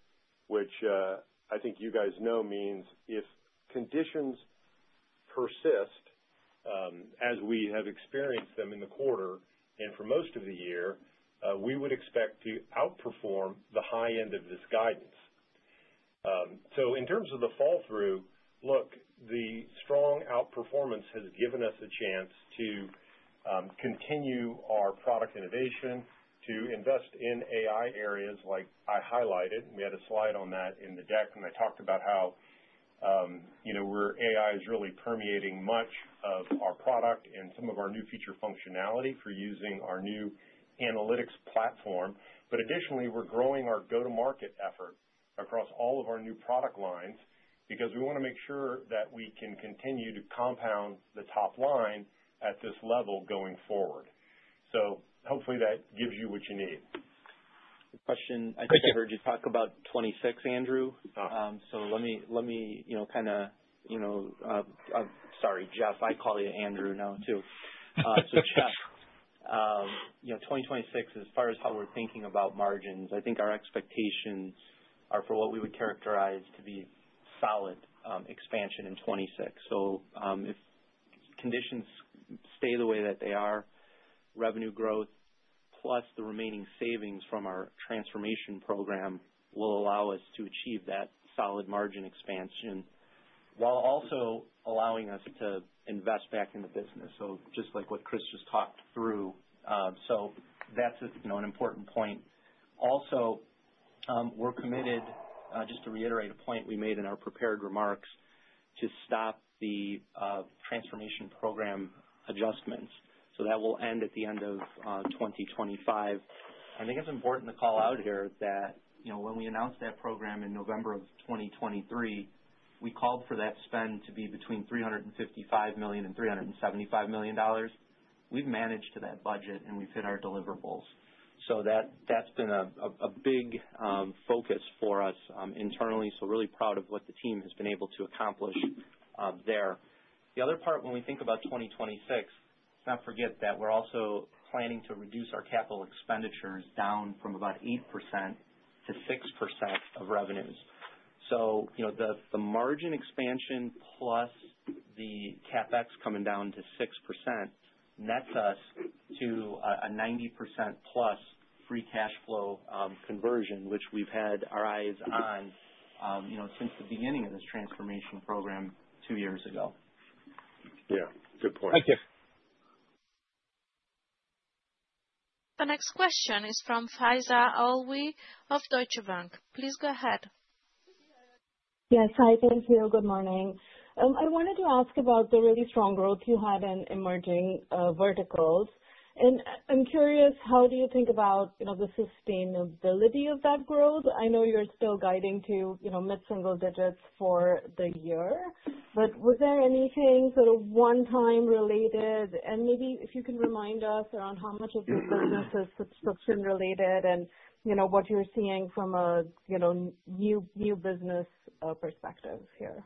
which I think you guys know means if conditions persist as we have experienced them in the quarter and for most of the year, we would expect to outperform the high end of this guidance, so in terms of the fall through look, the strong outperformance has given us a chance to continue our product innovation, to invest in AI areas like I highlighted. We had a slide on that in the deck and I talked about how. AI is really permeating much of our product and some of our new feature functionality for using our new analytics platform. But additionally, we're growing our go-to. Marketing effort across all of our new product lines because we want to make sure that we can continue to compound the top line at this level going forward, so hopefully that gives you what you need. I think I heard you talk about 2026, Andrew. So let me, you know, kind of, you know, sorry Jeff, I call you Andrew now too. So Jeff, 2026, as far as how we're thinking about margins, I think our expectations are for what we would characterize to be solid expansion in 2026. So if conditions stay the way that they are, revenue growth plus the remaining savings from our transformation program will allow us to achieve that solid margin expansion while also allowing us to invest back in the business. So just like what Chris just talked through. So that's an important point. Also, we're committed, just to reiterate a point we made in our prepared remarks, to stop the transformation program adjustments so that will end at the end of 2025. I think it's important to call out here that, you know, when we announced that program in November of 2023, we called for that spend to be between $355 million and $375 million. We've managed to that budget and we've hit our deliverables. So that's been a big focus for us internally. So really proud of what the team has been able to accomplish there. The other part, when we think about 2026, let's not forget that we're also planning to reduce our capital expenditures down from about 8% to 6% of revenues. So the margin expansion plus the CapEx coming down to 6% nets us to a 90% plus free cash flow conversion which we've had our eyes on since the beginning of this transformation program two years ago. Yeah, good point. Thank you. The next question is from Faiza Alwy of Deutsche Bank. Please go ahead. Yes, hi. Thank you. Good morning. I wanted to ask about the really strong growth you had in emerging verticals, and I'm curious, how do you think about the sustainability of that growth. I know you're still guiding to mid single digits for the year, but was there anything sort of one-time related, and maybe if you can remind us around how much of your business is subscription-related and what you're seeing from a new business perspective here.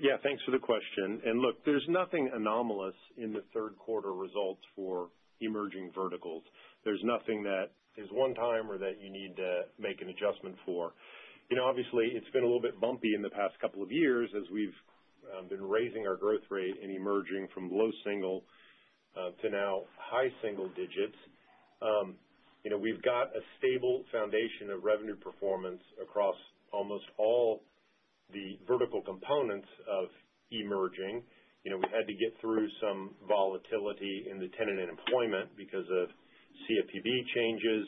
Yes, thanks for the question. And look, there's nothing anomalous in the third quarter results for emerging verticals. There's nothing that is one-time or that you need to make an adjustment for. Obviously, it's been a little bit bumpy in the past couple of years as we've been raising our growth rate and emerging from low single to now high single digits. We've got a stable foundation of revenue performance across almost all the vertical components of emerging. We had to get through some volatility in the tenant and employment because of CFPB changes.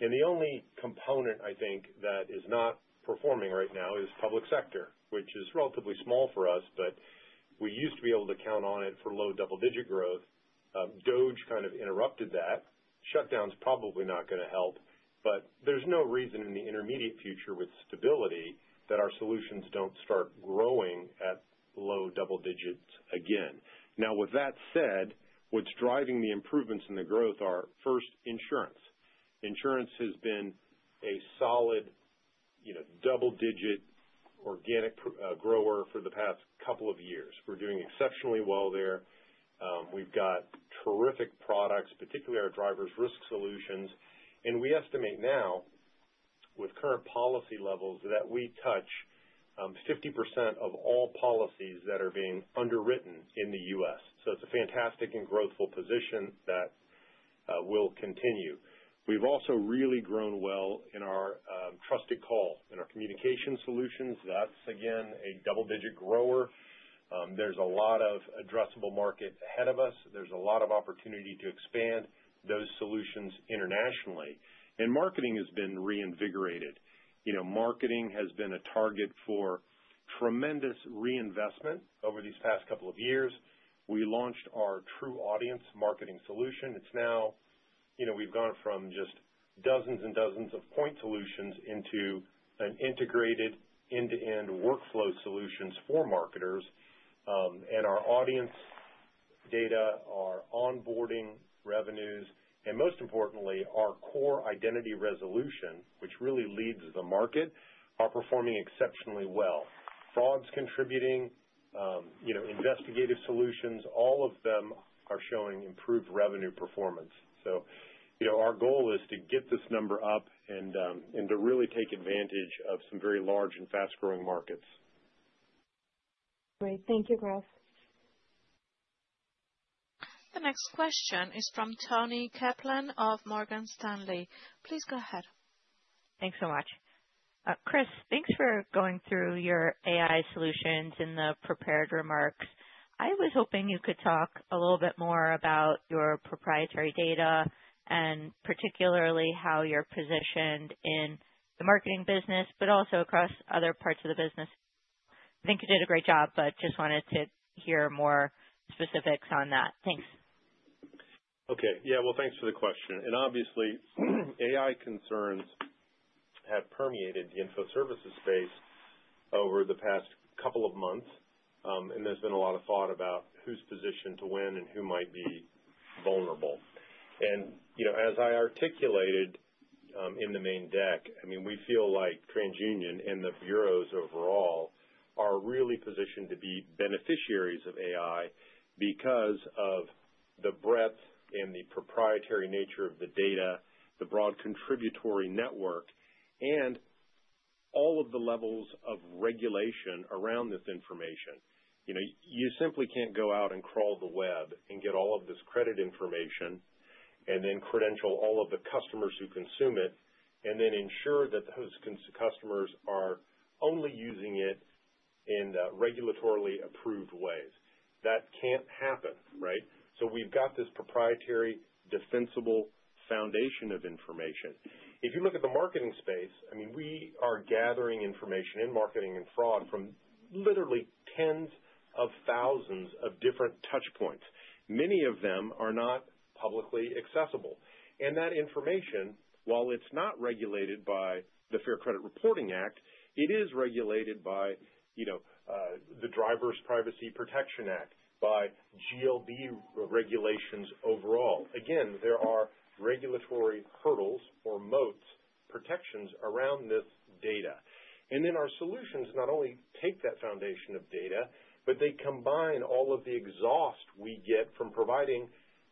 The only component I think that is not performing right now is public sector, which is relatively small for us, but we used to be able to count on. It's for low double-digit growth. COVID kind of interrupted that. Shutdown is probably not going to help, but there's no reason in the intermediate future with stability that our solutions don't start growing at low double digits again. Now with that said, what's driving the? Improvements in the growth are first, insurance. Insurance has been a solid double-digit organic grower for the past couple of years. We're doing exceptionally well there. We've got terrific products, particularly our driver's risk solutions, and we estimate now with current policy levels that we touch 50% of all policies that are being underwritten in the U.S. So it's a fantastic and growthful position that will continue. We've also really grown well in our Trusted Call in our communication solutions. That's again a double-digit grower. There's a lot of addressable market ahead of us. There's a lot of opportunity to expand those solutions internationally, and marketing has been reinvigorated. Marketing has been a target for tremendous reinvestment over these past couple of years. We launched our TruAudience marketing solution. It's now we've gone from just dozens and dozens of point solutions into an integrated end-to-end workflow solutions for marketers. And our audience data, our onboarding revenues and most importantly our core identity resolution which really leads the market are performing exceptionally well. Fraud's contributing investigative solutions, all of them are showing improved revenue performance. So our goal is to get this number up and to really take advantage of some very large and fast growing markets. Great, thank you, Chris. The next question is from Toni Kaplan of Morgan Stanley. Please, please, go ahead. Thanks so much, Chris. Thanks for going through your AI solutions. In the prepared remarks, I was hoping you could talk a little bit more about your proprietary data and particularly how you're positioned in the marketing business, but also across other parts of the business. I think you did a great job, but just wanted to hear more specifics on that. Thanks. Okay. Yes, well, thanks for the question. And obviously AI concerns have permeated the info services space over the past couple of months and there's been a lot of thought about who's positioned to win and who might be vulnerable. And you know, as I articulated in the main deck, I mean, we feel like TransUnion and the bureaus overall are really positioned to be better beneficiaries of AI because of the breadth and the proprietary nature of the data, the broad contributory network and all of the levels of regulation around this information. You know, you simply can't go out and crawl the web and get all of this credit information and then credential. All of the customers who consume it, and then ensure that those customers are only using it in regulatorily approved ways. That can't happen. Right. So we've got this proprietary defensible foundation of information. If you look at the marketing space, we are gathering information in marketing and fraud from literally tens of thousands of different touch points. Many of them are not publicly accessible. And that information, while it's not regulated by the Fair Credit Reporting Act, it is regulated by, you know, the Driver's Privacy Protection Act, by GLB regulations. Overall, again, there are regulatory hurdles or moats protections around this data. And then our solutions not only take that foundation of data, but they combine all of the exhaust we get from providing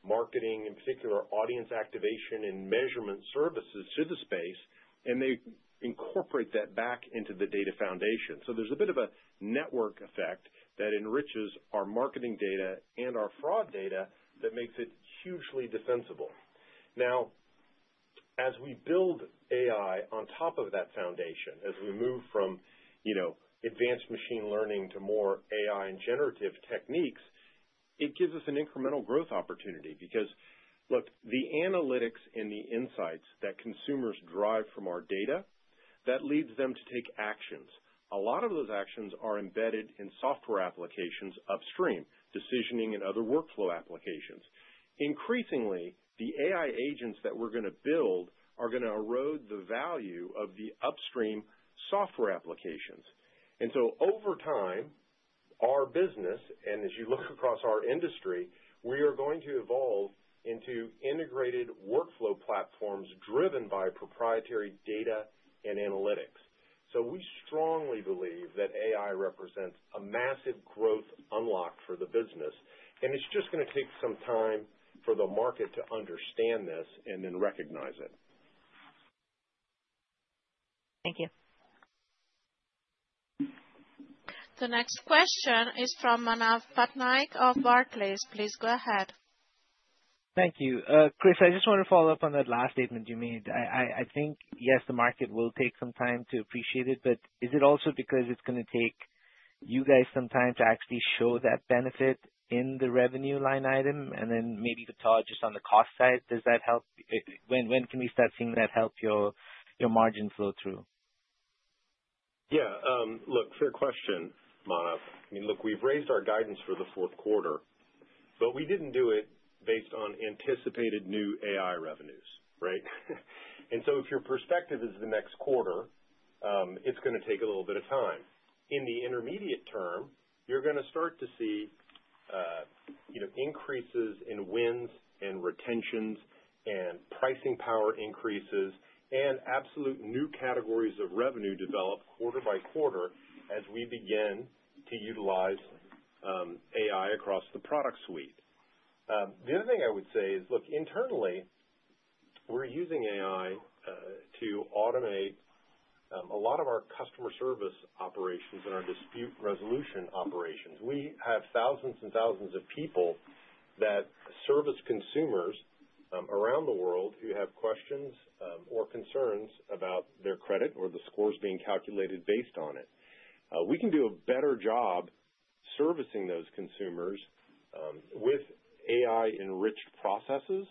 marketing, in particular, audience activation and measurement services to the space and they incorporate that back into the data foundation. So there's a bit of a network effect that enriches our marketing data and our fraud data that makes it hugely defensible. Now, as we build AI on top of that foundation, as we move from advanced machine learning to more AI and generative technology techniques, it gives us an incremental growth opportunity because, look, the analytics and the insights that consumers derive from our data leads them to take actions. A lot of those actions are embedded in software applications, upstream decisioning and other workflow applications. Increasingly, the AI agents that we're going to build are going to erode the value of the upstream software applications, and so over time, our business and as you look across our industry, we are going to evolve into integrated workflow platforms driven by proprietary data and analytics. So we strongly believe that AI represents a massive growth unlock for the business and it's just going to take some time for the market to understand this and then recognize it. Thank you. The next question is from Manav Patnaik of Barclays. Please go ahead. Thank you, Chris. I just want to follow up on that last statement you made. I think yes, the market will take some time to appreciate it, but is it also because it's going to take you guys some time to actually show that benefit in the revenue line item, and then maybe to Todd just on the cost side, does that help? When can we start seeing that help your margin flow through? Yeah, look, fair question, Manav. I mean look, we've raised our guidance for the fourth quarter, but we didn't do it based on anticipated new AI revenues. Right. And so if your perspective is the next quarter, it's going to take a little bit of time. In the intermediate term, you're going to start to see increases in wins and retentions and pricing power increases and absolute new categories of revenue develop quarter-by-quarter as we begin to utilize AI across the product suite. The other thing I would say is look, internally we're using AI to automate a lot of our customer service operations, our dispute resolution operations. We have thousands and thousands of people that services consumers around the world who have questions or concerns about their credit or the scores being calculated based on it. We can do a better job servicing those consumers with AI enriched processes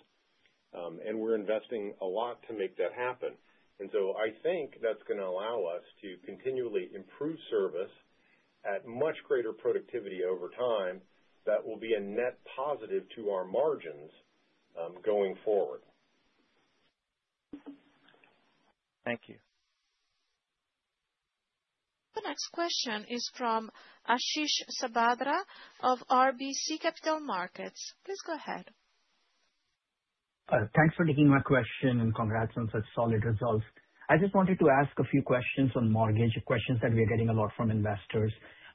and we're investing a lot to make that happen, and so I think that's going to allow us to continually improve service at much greater productivity over time. That will be a net positive to our margins going forward. Thank you. The next question is from Ashish Sabadra of RBC Capital Markets. Please go ahead. Thanks for taking my question and congrats on such solid results. I just wanted to ask a few questions on mortgage questions that we are getting a lot from investors.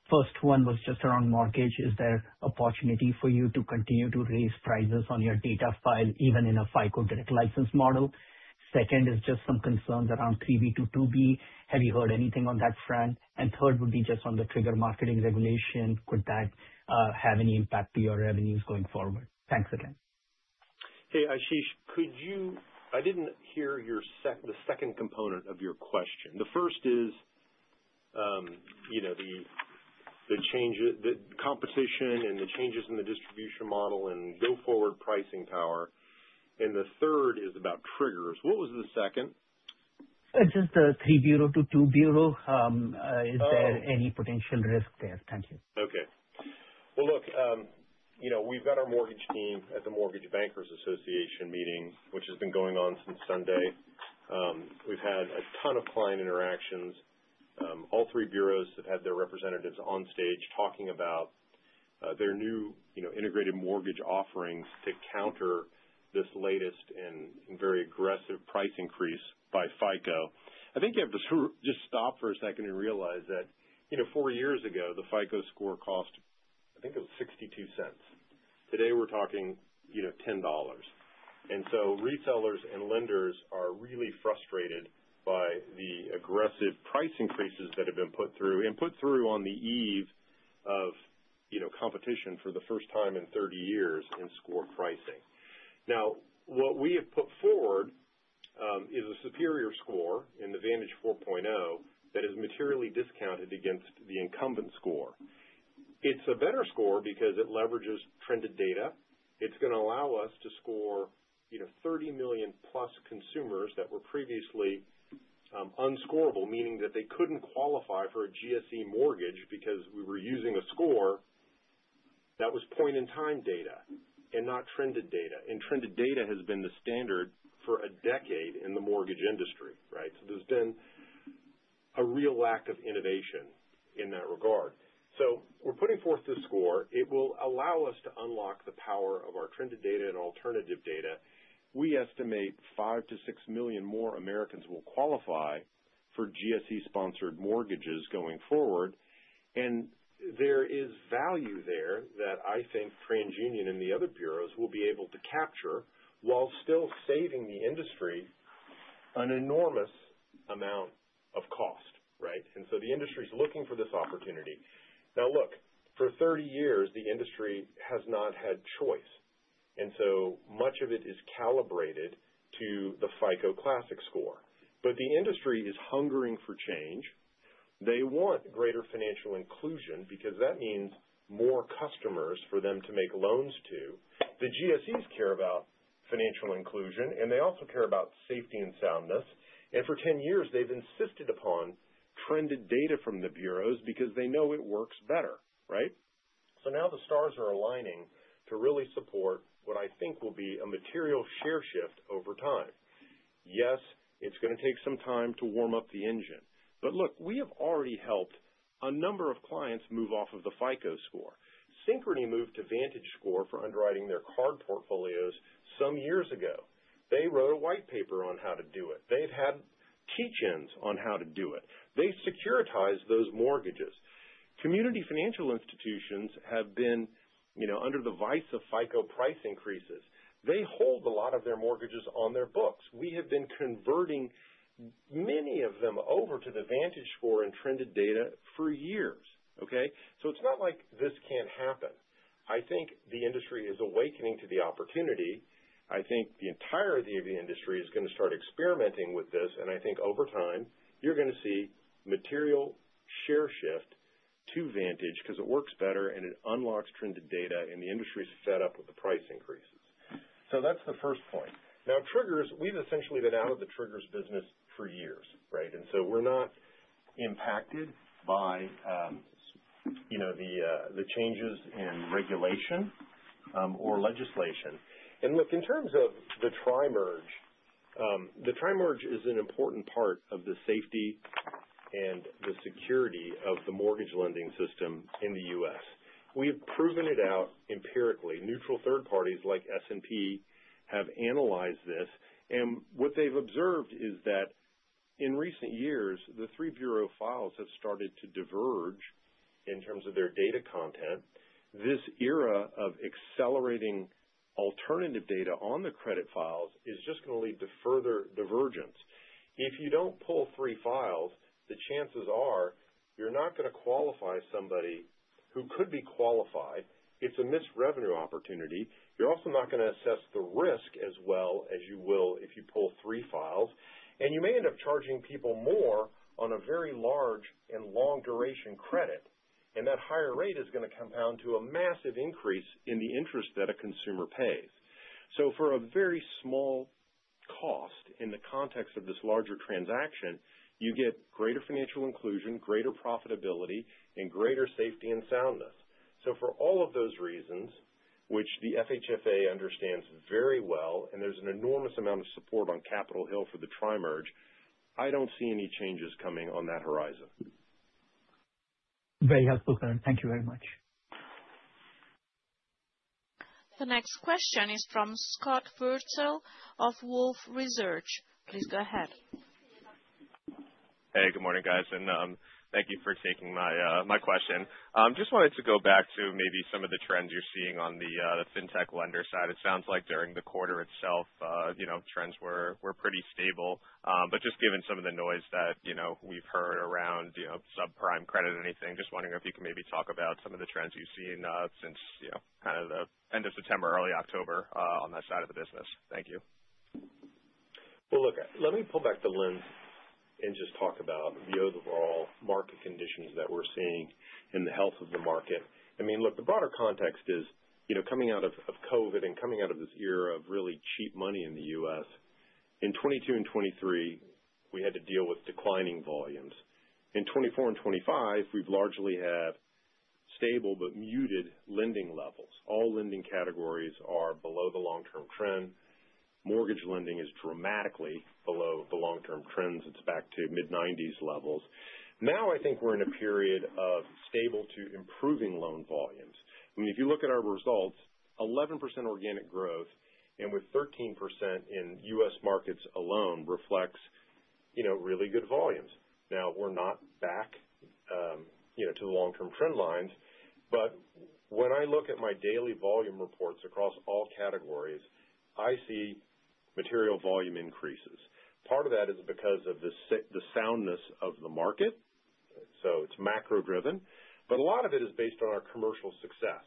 First one was just around mortgage. Is there opportunity for you to continue to raise prices on your data file even in a FICO direct license model? Second is just some concerns around 3B to 2B. Have you heard anything on that front? And third would be just on the trigger marketing regulation. Could that have any impact to your revenues going forward? Thanks again. Hey Ashish, could you? I didn't hear your, the second component of your question. The first is. You know, the changes, the competition and the changes in the distribution model and go forward pricing power. The third is about triggers. What was the second? Just the three-bureau to two-bureau. Is there any potential risk there? Thank you. Okay, well look, we've got our mortgage team at the Mortgage Bankers Association meeting which has been going on since Sunday. We've had a ton of client interactions. All three bureaus have had their representatives on stage talking about their new integrated mortgage offerings to counter this latest and very aggressive price increase by FICO. I think you have to just stop for a second and realize that, you know, four years ago the FICO Score cost, I think it was $0.62. Today we're talking $10, and so retailers and lenders are really frustrated by the aggressive price increases that have been put through and put through on the eve of competition for the first time in 30 years in score pricing. Now what we have put forward is a superior score in the Vantage 4.0 that is materially discounted against the incumbent score. It's a better score because it leverages trended data. It's going to allow us to score 30 million-plus consumers that were previously unscorable, meaning that they couldn't qualify for A GSE mortgage because we were using a score that was point in time data and not trended data. Trended data has been the standard for a decade in the mortgage industry. Right. So there's been a real lack of innovation in that regard. So we're putting forth this score. It will allow us to unlock the power of our trended data and alternative data. We estimate five to six million more Americans will qualify for GSE-sponsored mortgages going forward, and there is value there that I think pretty TransUnion and the other bureaus will be able to capture while still saving the industry an enormous amount of cost. Right? And so the industry is looking for this opportunity. Now look, for 30 years the industry has not had choice and so much of it is calibrated to the FICO classic score. But the industry is hungering for change. They want greater financial inclusion because that means more customers for them to make loans to. The GSEs care about financial inclusion and they also care about safety and soundness, and for 10 years they've insisted upon Trended Data from the bureaus because they know it works better. Right? So now the stars are aligning to really support what I think will be a material share shift over time. Yes, it's going to take some time to warm up the engine. But look, we have already helped a number of clients move off of the FICO score. Synchrony moved to VantageScore for underwriting their card portfolios some years ago. They wrote a white paper on how to do it. They've had teach-ins on how to do it. They securitized those mortgages. Community financial institutions have been under the, despite, FICO price increases. They hold a lot of their mortgages on their books. We have been converting many of them over to the VantageScore and Trended Data for years. Okay, so it's not like this can't happen. I think the industry is awakening to the opportunity. I think the entirety of the industry is going to start experimenting with this and I think over time you're going to see material share shift to Vantage because it works better and it unlocks Trended Data and the industry is set up with a price increases So that's the first point. Now triggers, we've essentially been out of the triggers business for years. Right. And so we're not impacted by, you know, the changes in regulation or legislation. Look, in terms of the tri-merge, the tri-merge is an important part of the safety and the security of the mortgage lending system in the U.S. we have proven it out empirically. Neutral third parties like S&P have analyzed this and what they've observed is that in recent years the three bureau files have started to diverge in terms of their data content. This era of accelerating alternative data on the credit files is just going to lead to further divergence. If you don't pull three files, the chances are you're not going to qualify somebody who could be qualified. It's a missed revenue opportunity. You're also not going to assess the risk as well as you will if you pull three files. You may end up charging people more on a very large and long duration credit, and that higher rate is going to compound to a massive increase in the interest that a consumer pays. So for a very small cost in the context of this larger transaction, you get greater financial inclusion, greater profitability and greater safety and soundness. So for all of those reasons which, the FHFA understands very well, and there's an enormous amount of support on Capitol Hill for the Tri-Merge. I don't see any changes coming on that horizon. Very helpful, Karen. Thank you very much. The next question is from Scott Wurtzel of Wolfe Research. Please go ahead. Good morning, guys, and thank you for taking my question. Just wanted to go back to maybe some of the trends you're seeing on the fintech lender side. It sounds like during the quarter itself, trends were pretty stable. But just given some of the noise that we've heard around subprime credit, anything? Just wondering if you can maybe talk about some of the trends you've seen since kind of the end of September, early October, on that side of the business? Well, look, let me pull back the let's just talk about the overall market conditions that we're seeing and the health of the market. I mean, look, the broader context is, you know, coming out of COVID and coming out of this era of really cheap money in the U.S. in 2022 and 2023. We had to deal with declining volumes. In 2024 and 2025 we've largely have stable but muted lending levels. All lending categories are below the long-term trend. Mortgage lending is dramatically below the long-term trends. It's back to mid-1990s levels now. I think we're in a period of stable to improving loan volumes. If you look at our results, 11% organic growth and with 13% in U.S. markets alone reflects really good volumes. Now we're not back to the long-term trend lines, but when I look at my daily volume reports across all categories, I see material volume increases. Part of that is because of the soundness of the market. So it's macro driven, but a lot of it is based on our commercial success.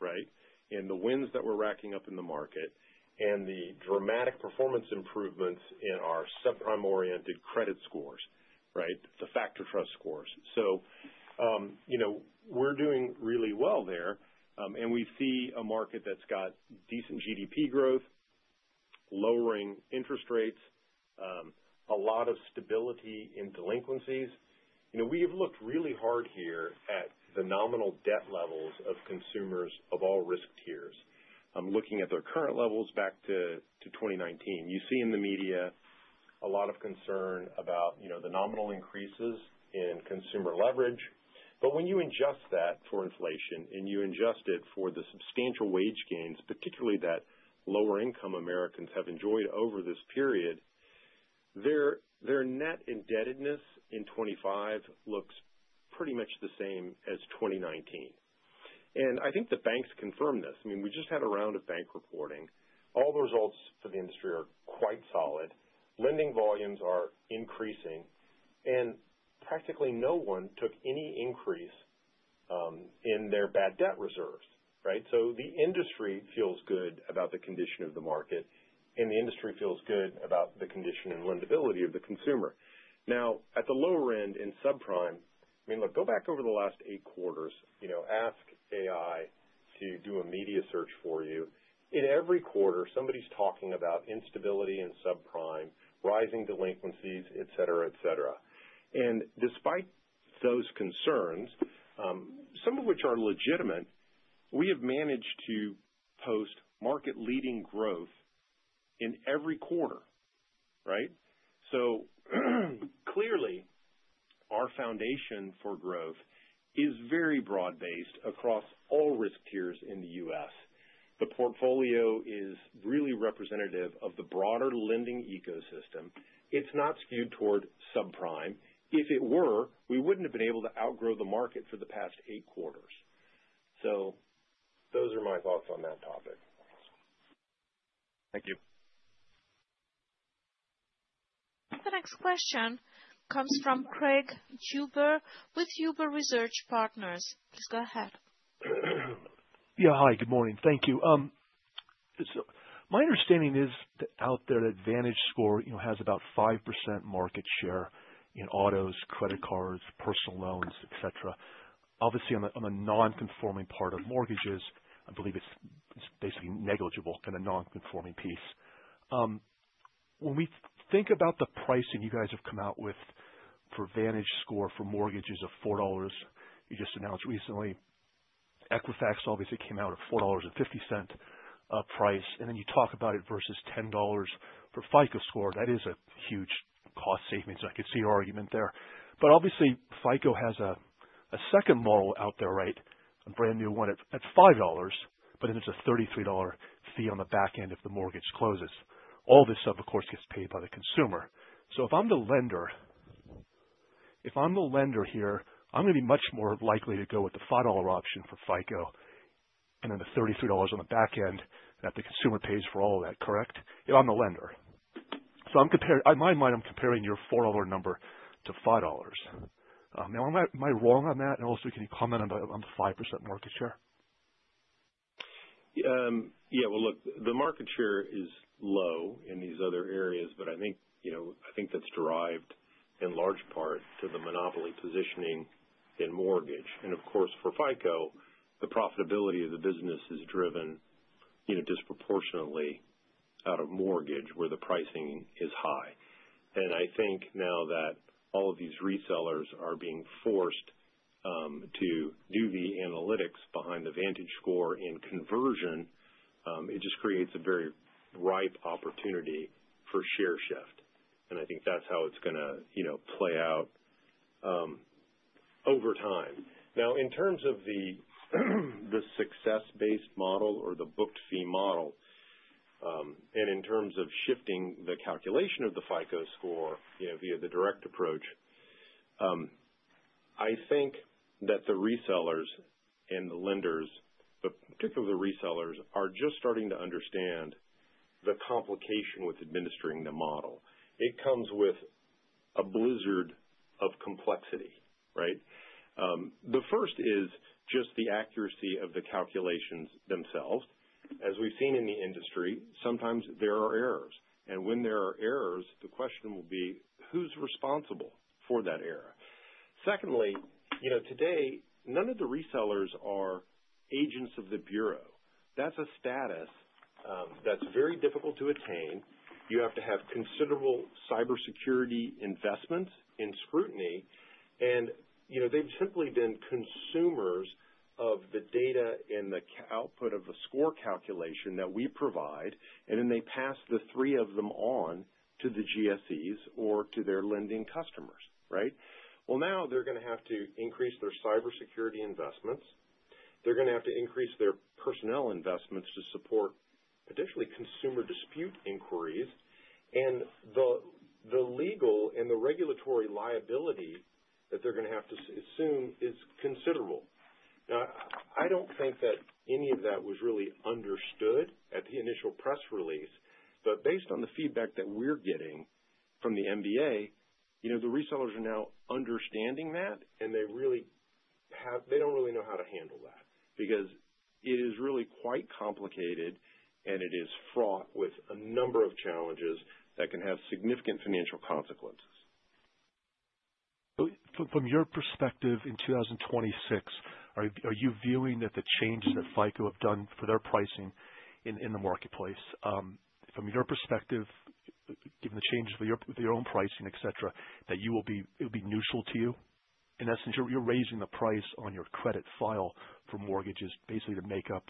Right? And the wins that we're racking up in the market and the dramatic performance improvements in our subprime oriented credit score. Right? The FactorTrust scores. So you know, we're doing really well there and we see a market that's got decent GDP growth, lowering interest rates, a lot of stability in delinquencies. You know, we have looked really hard here at the nominal debt levels of consumers of all risk tiers looking at their current levels back to 2019, you see in the media a lot of concern about the nominal increases in consumer leverage. But when you adjust that for inflation and you adjust it for the substantial wage gains, particularly that lower income Americans have enjoyed over this period. Their net indebtedness in 2025 looks pretty much the same as 2019. And I think the banks can confirm this. I mean, we just had a round of bank reporting. All the results for the industry are quite solid. Lending volumes are increasing and practically no one took any increase in their bad debt reserves. Right? So the industry feels good about the condition of the market and the industry feels good about the condition and lendability of the consumer. Now at the lower end in subprime. I mean, look, go back over the last eight quarters, you know, ask AI to do a media search for you. In every quarter, somebody's talking about instability and subprime rising delinquencies, et cetera, et cetera. And despite those concerns, some of which are legitimate, we have managed to post market leading growth in every quarter. Right? So clearly our foundation for growth is very broad-based across all risk tiers in the U.S. the portfolio is really representative of the broader lending ecosystem. It's not skewed toward subprime. If it were, we wouldn't have been able to outgrow the market for the past eight quarters. So those are my thoughts on that topic. Thank you. The next question comes from Craig Huber with Huber Research Partners. Please go ahead. Yeah, hi, good morning. Thank you. My understanding is out there that VantageScore has about 5% market share in autos, credit cards, personal loans, et cetera. Obviously in a non-conforming part of mortgages. I believe it's basically negligible in a non-conforming piece. When we think about the pricing you guys have come out with for VantageScore for mortgages of $4 you just announced recently, Equifax obviously came out at $4.50 price, and then you talk about it versus $10 for FICO Score. That is a huge cost savings. I could see your argument there. But obviously FICO has a second model out there, right? A brand new one at $5, but then it's a $33 fee on the back end if the mortgage closes. All this stuff of course gets paid by the consumer. So if I'm the lender, if I'm the lender here, I'm going to be much more likely to go with the $5 option for FICO and then the $33 on the back end that the consumer pays for all that. Correct? If I'm the lender, so I'm comparing, in my mind, I'm comparing your $4 number to $5. Am I wrong on that? And also, can you comment on the 5% market share? Yeah, well look, the market share is low in these other areas, but I think, you know, I think that's due in large part to the monopoly positioning in mortgage. And of course for FICO, the profitability of the business is driven disproportionately out of mortgage. Where the pricing is high and I think now that all of these resellers are being forced to do the analytics behind the VantageScore conversion. It just creates a very ripe opportunity for share shift and I think that's how it's going to play out over time. Now in terms of the success based model or the booked fee model and in terms of shifting the calculation of the FICO score via the direct approach. I think that the resellers and the lenders, but particularly the resellers, are just starting to understand the complication with administering the model. It comes with a blizzard of complexity. Right. The first is just the accuracy of the calculations themselves. As we've seen in the industry, sometimes there are errors, and when there are errors, the question will be who's responsible for that error? Secondly, today, none of the resellers are agents of the Bureau. That's a status that's very difficult to attain. You have to have considerable cybersecurity investments under scrutiny, and they've simply been consumers of the data and the output of the score calculation that we provide, and then they pass the three of them on to the GSEs or to their lending customers, right, well, now they're going to have to increase their cybersecurity investments. They're going to have to increase their personnel investments to support potential consumer disputes inquiries, and the legal and the regulatory liability that they're going to have to assume is considerable. Now, I don't think that any of that was really understood at the initial press release, but based on the feedback that we're getting from the MBA, the resellers are now understanding that, and they don't really know how to handle that. Because it is really quite complicated and it is fraught with a number of challenges that can have significant financial consequences. From your perspective in 2026, are you viewing that the changes that FICO have done for their pricing in the marketplace, from your perspective, given the changes with your own pricing, et cetera, that you will be. It will be neutral to you. In essence, you're raising the price on your credit file for mortgages basically to make up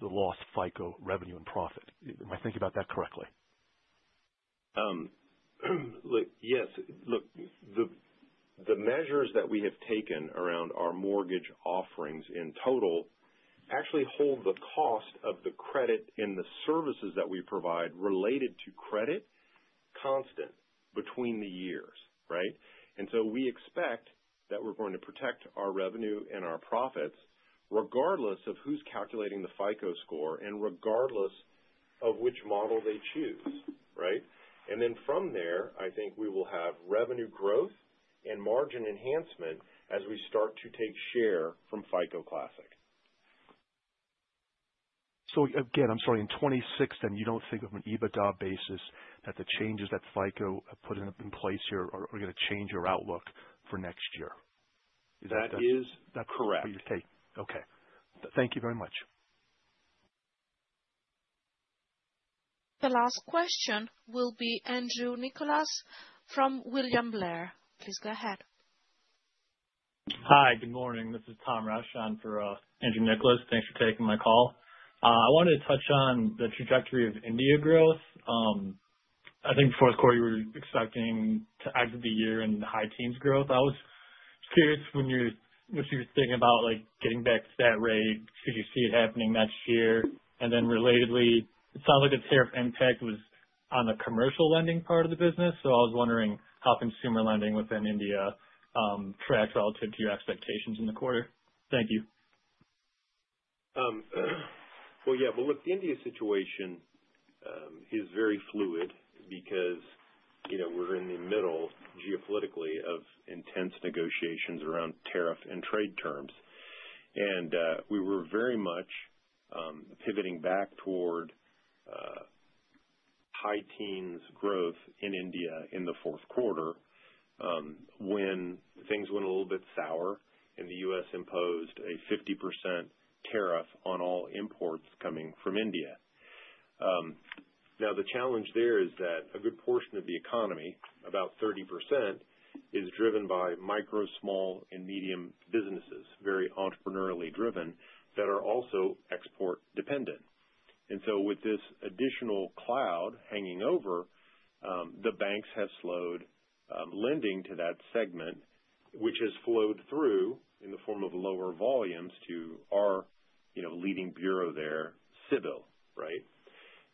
the lost FICO revenue and profit. Am I thinking about that correctly? Yes. Look, the measures that we have taken around our mortgage offerings in total actually hold the cost of the credit and the services that we provide related to credit constant between the years. Right? We expect that we're going to protect our revenue and our profits regardless of who's calculating the FICO Score, and regardless of which model they choose. Right. And then from there, I think we will have revenue growth and margin enhancement as we start to take share from FICO Classic. So again, I'm sorry, in 2016, you don't think on an EBITDA basis that the changes that FICO applies put in place here are going to change your outlook for next year? That is correct. Okay, thank you very much. The last question will be: Andrew Nicholas from William Blair. Please go ahead. Hi, good morning, this is Tom Rouchon for Andrew Nicholas, thanks for taking my call. I wanted to touch on the trajectory of India growth. I think fourth quarter, you were expecting to exit the year in high-teens growth. I was curious what you were thinking about, like getting back to that rate. Could you see it happening next year? And then relatedly, it sounds like the tariff impact was on the commercial lending part of the business? So, I was wondering how consumer lending within India tracked relative to your expectations in the quarter. Thank you. Look, the India situation is very fluid because, you know, we're in the middle geopolitically of intense negotiations around tariff and trade terms, and we were very much pivoting back toward high teens growth in India in the fourth quarter when things went a little bit south and the U.S. imposed a 50% tariff on all imports coming from India. Now the challenge there is that a good portion of the economy, about 30% is driven by micro, small and medium businesses, very entrepreneurially driven, that are also export dependent. And so with this additional cloud hanging over, the banks have slowed down lending to that segment which has flowed through in the form of lower volumes to our leading bureau there, CIBIL, right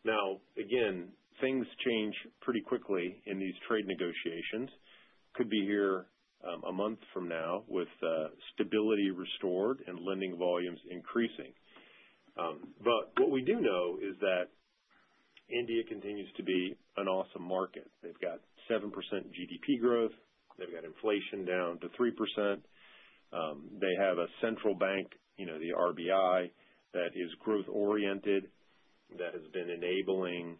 now. Again, things change pretty quickly in these trade negotiations. Could be here a month from now with stability restored and lending volumes increasing. But what we do know is that India continues to be an awesome market. They've got 7% GDP growth, they've got inflation down to 3%. They have a central bank, the RBI, that is growth oriented, that has been enabling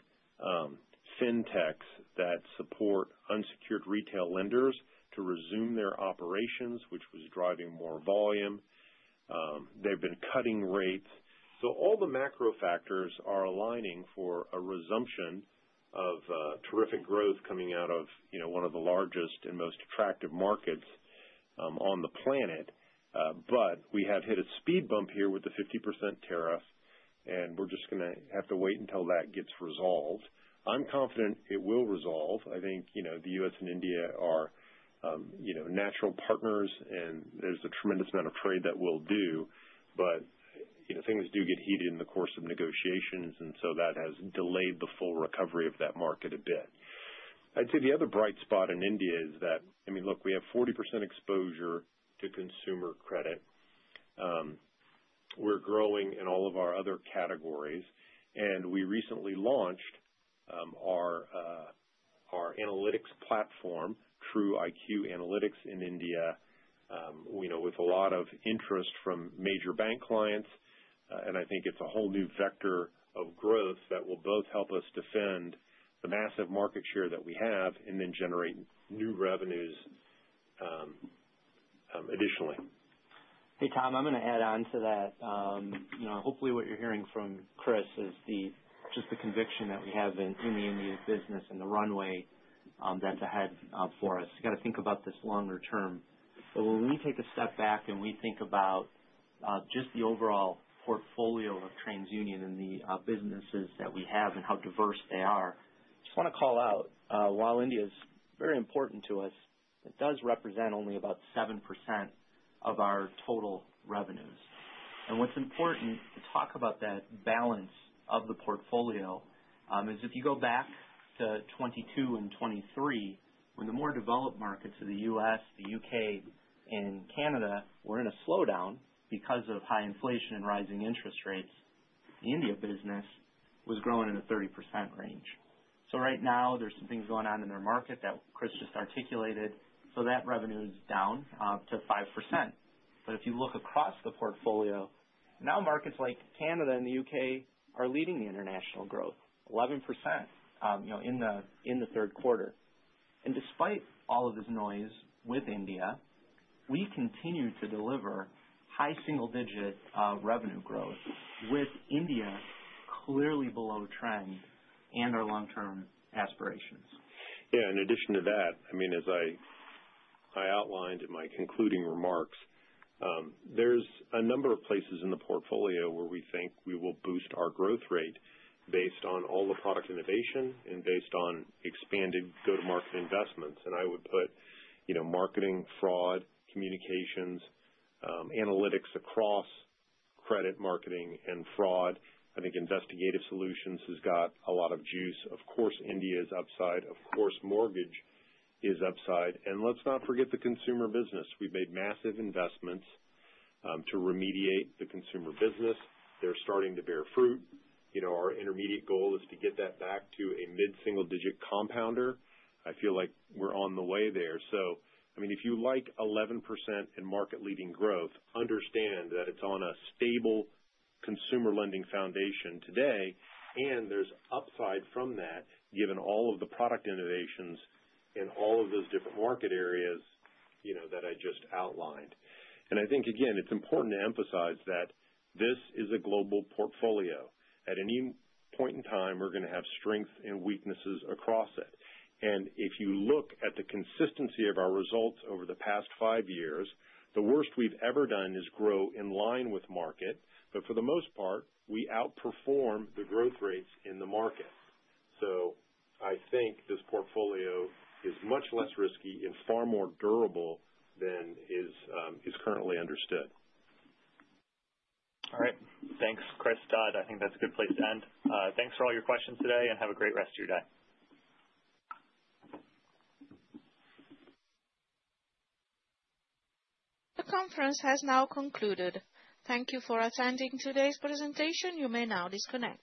fintechs that support unsecured retail lenders to resume their operations, which was driving more volume. They've been cutting rates. All the macro factors are aligning for a resumption of terrific growth coming out of one of the largest and most attractive markets on the planet, but we have hit a speed bump here with the 50% tariff and we're just going to have to wait until that gets resolved. I'm confident it will resolve. I think the U.S. and India are natural partners and there's a tremendous amount of trade that we'll do. But things do get heated in the course of negotiations. And so that has delayed the full recovery of that market a bit. I'd say the other bright spot in India is that, I mean, look, we have 40% exposure to consumer credit. We're growing in all of our other categories and we recently launched our analytics plan platform, TruIQ Analytics in India with a lot of interest from major bank clients and I think it's a whole new vector of growth that will both help us defend the massive market share that we have and then generate new revenues additionally. Hey Tom, I'm going to add on to that. Hopefully what you're hearing from Chris is just the conviction that we have in the Indian business and the runway that's ahead for us. You got to think about this longer term, but when we take a step back and we think about just the overall portfolio of TransUnion and the businesses that we have and how diverse they are, I just want to call out while India is very important to us, it does represent only about 7% of our total revenues, and what's important to talk about that balance of the portfolio is if you go back to 2022 and 2023 when the more developed markets of the U.S., the U.K. and Canada were in a slowdown because of high inflation and rising interest rates, the India business was growing in a 30% range. So right now there's some things going on in their market that Chris just articulated, so that revenue is down to 5%. But if you look across the portfolio now, markets like Canada and the UK are leading the international growth 11% in the third quarter. And despite all of this noise with India, we continue to deliver high single digit revenue growth. With India clearly below trend and our long term aspirations. Yes, in addition to that, I mean as I outlined in my concluding remarks, there's a number of places in the portfolio where we think we will boost our growth rate based on all the product innovation and based on expanded go to market investments. And I would put marketing fraud, communications analytics across credit marketing and fraud. I think investigative solutions has got a lot of juice. Of course India is upside, of course mortgage is upside. Let's not forget the consumer business. We've made massive investments to remediate the consumer business. They're starting to bear fruit. You know our intermediate goal is to get that back to a mid single digit compounder. I feel like we're on the way there, so I mean if you like 11% in market leading growth, understand that it's on a stable consumer lending foundation today and there's upside from that given all of the product innovations in all of those different market areas that I just outlined, and I think again it's important to emphasize that this is a global portfolio. At any point in time we're going to have strength and weaknesses across it, and if you look at the consistency of our results over the past five years, the worst we've ever done is grow in line with market, but for the most part, we outperform the growth rates in the market. So I think this portfolio is much less risky and far more durable than is currently understood. All right. Thanks, Chris, Todd. I think that's a good place to end. Thanks for all your questions today and have a great rest of your day. The conference has now concluded. Thank you for attending today's presentation. You may now disconnect.